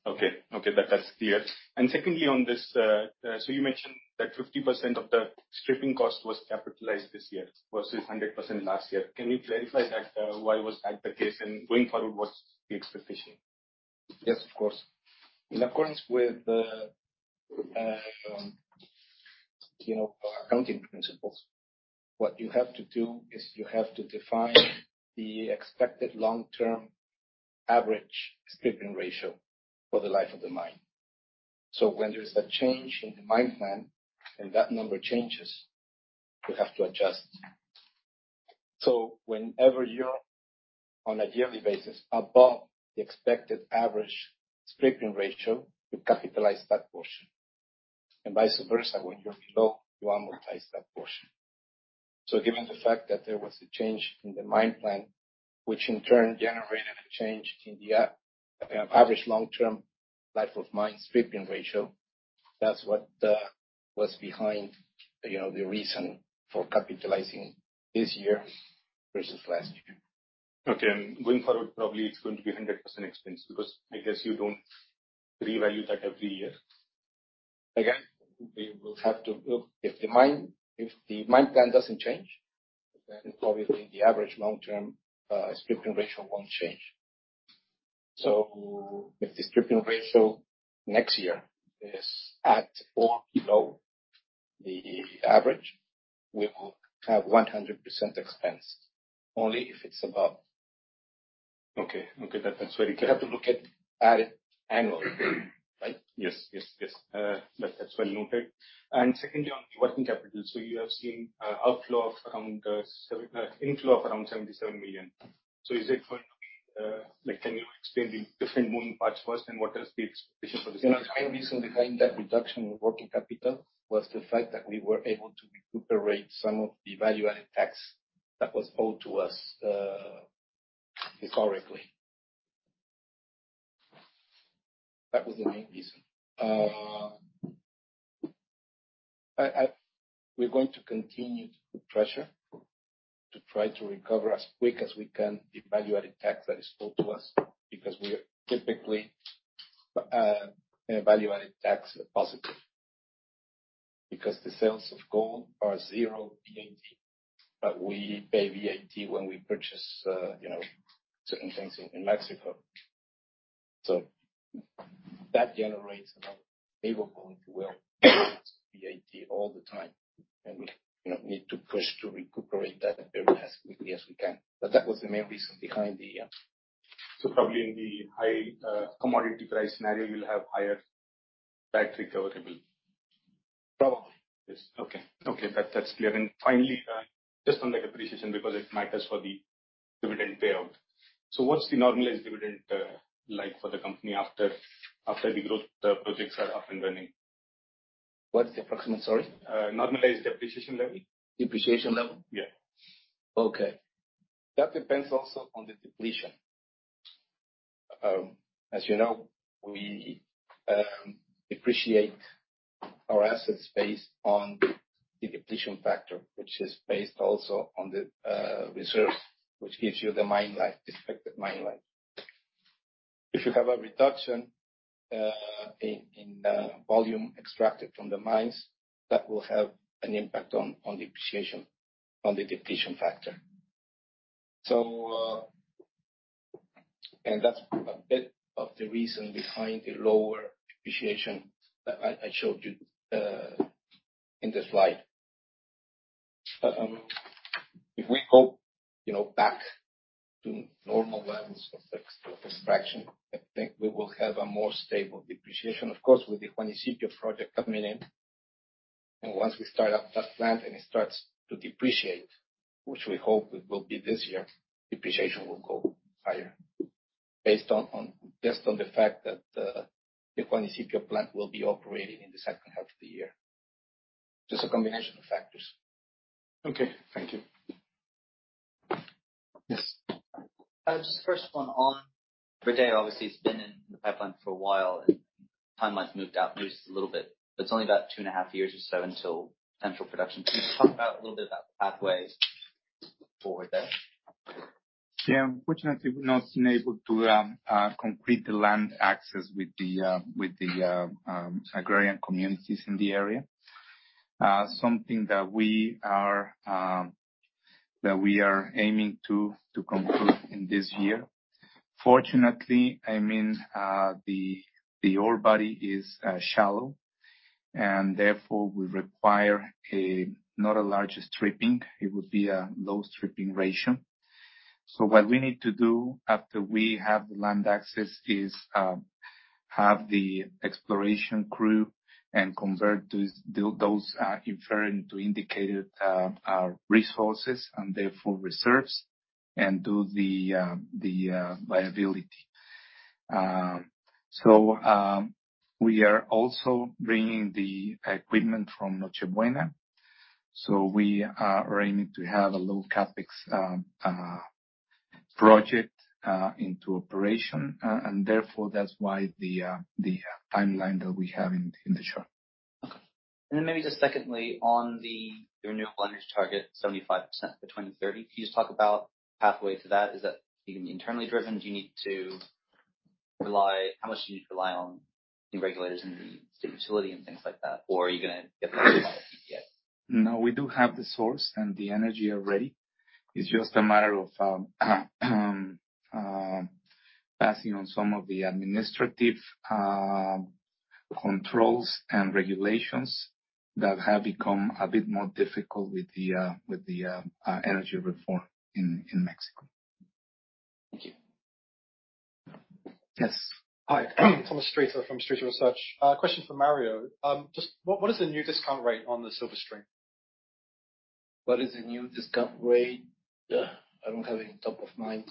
Okay. That's clear. Secondly, on this, so you mentioned that 50% of the stripping cost was capitalized this year versus 100% last year. Can you clarify that, why was that the case? Going forward, what's the expectation? Yes, of course. In accordance with the, You know, accounting principles. What you have to do is you have to define the expected long-term average stripping ratio for the life of the mine. When there's a change in the mine plan and that number changes, you have to adjust. Whenever you're on a yearly basis above the expected average stripping ratio, you capitalize that portion. Vice versa, when you're below, you amortize that portion. Given the fact that there was a change in the mine plan, which in turn generated a change in the average long-term life of mine stripping ratio, that's what was behind, you know, the reason for capitalizing this year versus last year. Okay. Going forward, probably it's going to be 100% expense because I guess you don't revalue that every year. Again, we will have to. If the mine plan doesn't change, then probably the average long-term stripping ratio won't change. If the stripping ratio next year is at or below the average, we will have 100% expense. Only if it's above. Okay. That's very clear. You have to look at it annually, right? Yes. That's well noted. Secondly, on the working capital. You have seen inflow of around $77 million. Is it going to be, like, can you explain the different moving parts first and what is the expectation for this? The main reason behind that reduction in working capital was the fact that we were able to recuperate some of the value-added tax that was owed to us, historically. That was the main reason. We're going to continue to put pressure to try to recover as quick as we can the value-added tax that is owed to us because we are typically a value-added tax positive. Because the sales of gold are zero VAT, but we pay VAT when we purchase you know certain things in Mexico. That generates another payable into VAT all the time. We you know need to push to recuperate that as quickly as we can. That was the main reason behind the Probably in the high commodity price scenario, you'll have higher VAT recoverable. Probably. Yes. Okay. That's clear. Finally, just on the depreciation because it matters for the dividend payout. What's the normalized dividend, like for the company after the growth projects are up and running? What's the approximate, sorry? Normalized depreciation level. Depreciation level? Yeah. Okay. That depends also on the depletion. As you know, we depreciate our assets based on the depletion factor, which is based also on the reserves, which gives you the mine life, expected mine life. If you have a reduction in volume extracted from the mines, that will have an impact on depreciation, on the depletion factor. That's a bit of the reason behind the lower depreciation that I showed you in the slide. If we go, you know, back to normal levels of extraction, I think we will have a more stable depreciation. Of course, with the Juanicipio project coming in, and once we start up that plant and it starts to depreciate, which we hope it will be this year, depreciation will go higher based on the fact that the Juanicipio plant will be operating in the second half of the year. Just a combination of factors. Okay. Thank you. Yes. Just first one on Rodeo. Obviously, it's been in the pipeline for a while, and timeline's moved out maybe just a little bit. It's only about two and a half years or so until commercial production. Can you just talk about a little bit about the pathways forward there? Yeah. Unfortunately, we've not been able to complete the land access with the agrarian communities in the area. Something that we are aiming to conclude in this year. Fortunately, I mean, the ore body is shallow and therefore will require not a large stripping. It would be a low stripping ratio. What we need to do after we have the land access is have the exploration crew and convert those inferred to indicated resources and therefore reserves and do the viability. We are also bringing the equipment from Noche Buena. We are aiming to have a low CAPEX project into operation. That's why the timeline that we have in the chart. Okay. Maybe just secondly, on the renewable energy target, 75% by 2030. Can you just talk about pathway to that? Is that gonna be internally driven? Do you need to rely? How much do you need to rely on the regulators and the state utility and things like that? Or are you gonna get by PPAs? No, we do have the source and the energy already. It's just a matter of. Passing on some of the administrative controls and regulations that have become a bit more difficult with our energy reform in Mexico. Thank you. Yes. Hi. Thomas Streeter from Streeter Research. Question for Mario. Just what is the new discount rate on the silver stream? What is the new discount rate? I don't have it top of mind.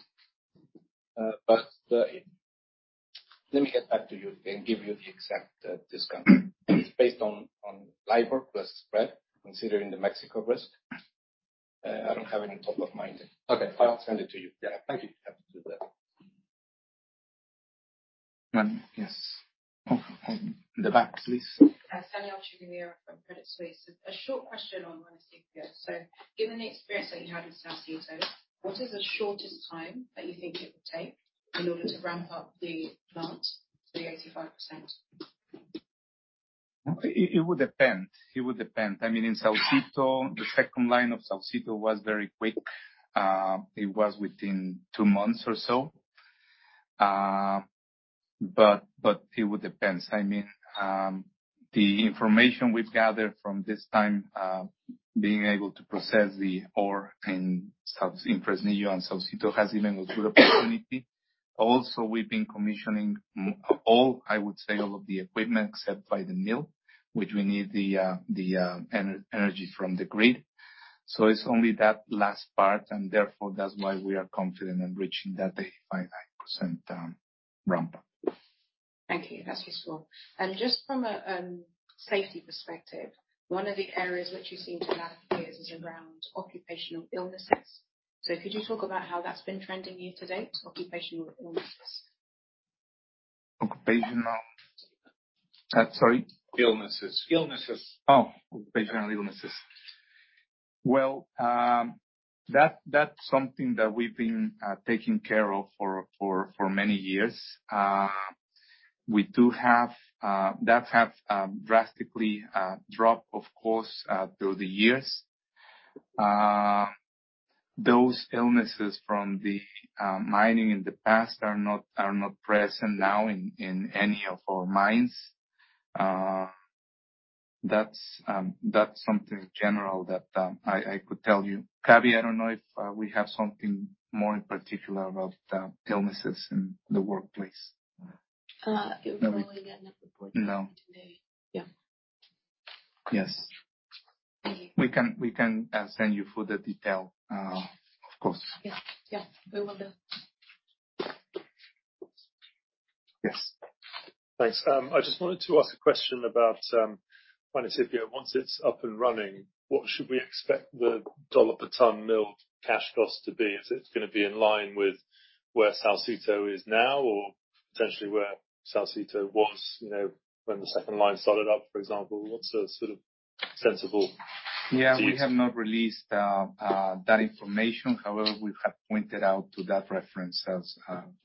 Let me get back to you and give you the exact discount. It's based on LIBOR plus spread considering the Mexico risk. I don't have it top of mind. Okay. I'll send it to you. Yeah. Thank you. Happy to do that. Yes. In the back, please. Sonia from Credit Suisse. A short question on Juanicipio. Given the experience that you had in Saucito, what is the shortest time that you think it would take in order to ramp up the plant to the 85%? It would depend. I mean, in Saucito, the second line of Saucito was very quick. It was within two months or so. But it would depend. I mean, the information we've gathered from this time, being able to process the ore in Fresnillo and Saucito has been a good opportunity. Also, we've been commissioning all, I would say, all of the equipment except by the mill, which we need the energy from the grid. It's only that last part, and therefore that's why we are confident in reaching that 85.5% ramp up. Thank you. That's useful. Just from a safety perspective, one of the areas which you seem to have fears is around occupational illnesses. Could you talk about how that's been trending year to date, occupational illnesses? Occupational, sorry. Illnesses. Oh, occupational illnesses. Well, that's something that we've been taking care of for many years. We do have that have drastically dropped, of course, through the years. Those illnesses from the mining in the past are not present now in any of our mines. That's something general that I could tell you. Gaby, I don't know if we have something more in particular about illnesses in the workplace. We've probably got enough report. No. Today. Yeah. Yes. Thank you. We can send you further detail. Yeah. Of course. Yeah. Yeah. Will do. Yes. Thanks. I just wanted to ask a question about Juanicipio. Once it's up and running, what should we expect the dollar per ton mill cash cost to be? Is it gonna be in line with where Saucito is now or potentially where Saucito was, you know, when the second line started up, for example? What's a sort of sensible? Yeah. We have not released that information. However, we have pointed out to that reference as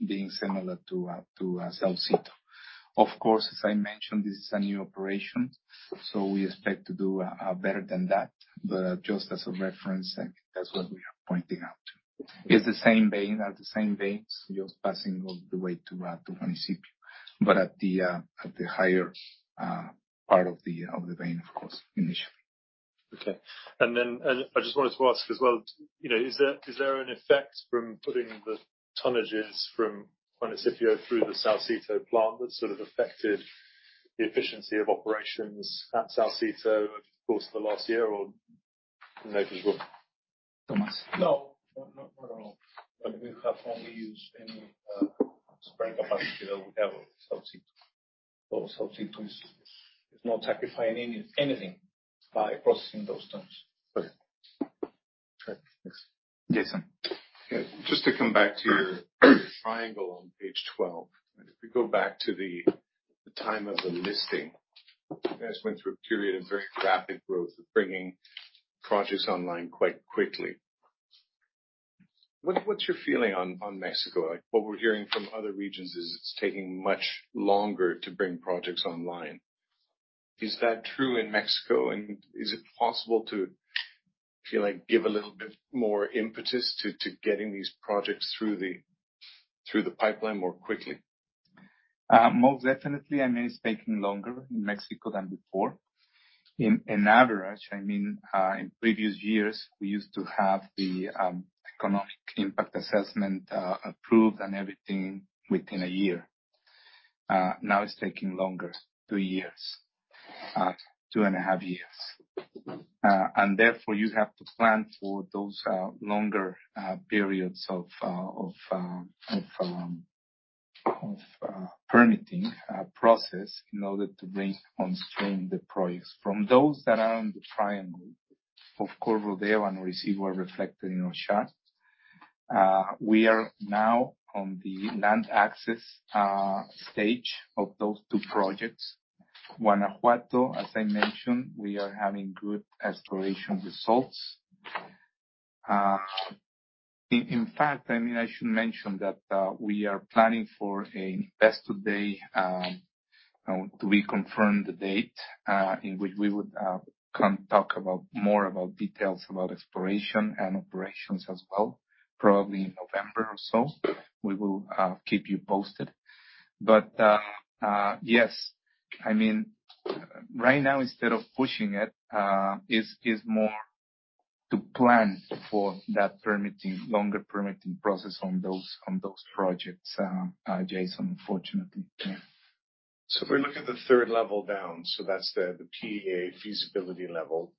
being similar to Saucito. Of course, as I mentioned, this is a new operation, so we expect to do better than that. Just as a reference, that's what we are pointing out to. It's the same vein, just passing all the way to Juanicipio, but at the higher part of the vein, of course, initially. Okay. I just wanted to ask as well, you know, is there an effect from putting the tonnages from Juanicipio through the Saucito plant that sort of affected the efficiency of operations at Saucito over the course of the last year, or no difference? Tomás. No. Not at all. We have only used any spare capacity that we have at Saucito. Saucito is not sacrificing anything by processing those tons. Okay. Great. Thanks. Jason. Okay. Just to come back to your triangle on page 12. If we go back to the time of the listing, you guys went through a period of very rapid growth of bringing projects online quite quickly. What's your feeling on Mexico? Like, what we're hearing from other regions is it's taking much longer to bring projects online. Is that true in Mexico? Is it possible to, if you like, give a little bit more impetus to getting these projects through the pipeline more quickly? Most definitely. I mean, it's taking longer in Mexico than before. On average, in previous years, we used to have the economic impact assessment approved and everything within a year. Now it's taking longer, two years, 2.5 years. Therefore, you have to plan for those longer periods of permitting process in order to bring onstream the projects. From those that are on the triangle, of course, Rodeo and Orisyvo are reflected in our chart. We are now on the land access stage of those two projects. Guanajuato, as I mentioned, we are having good exploration results. In fact, I mean, I should mention that we are planning for an Investor Day. We confirm the date in which we would come talk about more about details about exploration and operations as well, probably November or so. We will keep you posted. Yes. I mean, right now instead of pushing it is more to plan for that permitting, longer permitting process on those projects, Jason, unfortunately. Yeah. If we look at the third level down, that's the PEA feasibility level.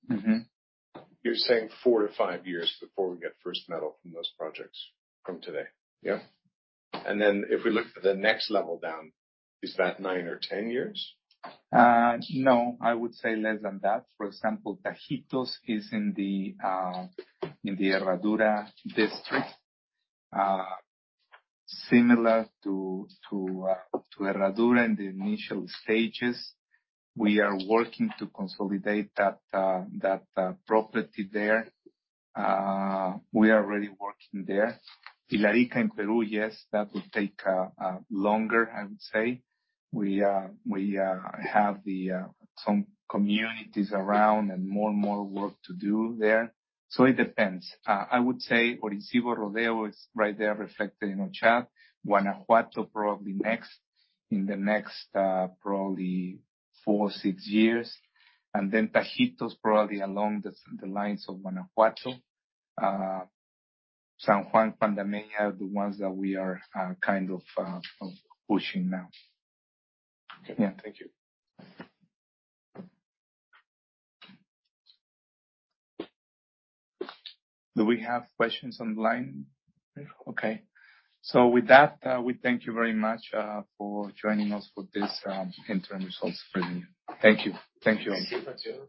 You're saying four to five years before we get first metal from those projects from today? Yeah. If we look at the next level down, is that nine or 10 years? No, I would say less than that. For example, Tajitos is in the Herradura District. Similar to Herradura in the initial stages. We are working to consolidate that property there. We are already working there. Pilarica in Peru, yes, that would take longer, I would say. We have some communities around and more and more work to do there. So it depends. I would say Orisyvo, Rodeo is right there reflected in our chart. Guanajuato probably next, in the next probably four to six years. Then Tajitos probably along the lines of Guanajuato. San Julián, Juanicipio are the ones that we are kind of pushing now. Okay. Thank you. Do we have questions online? Okay. With that, we thank you very much for joining us for this interim results preview. Thank you. Thank you. Thank you.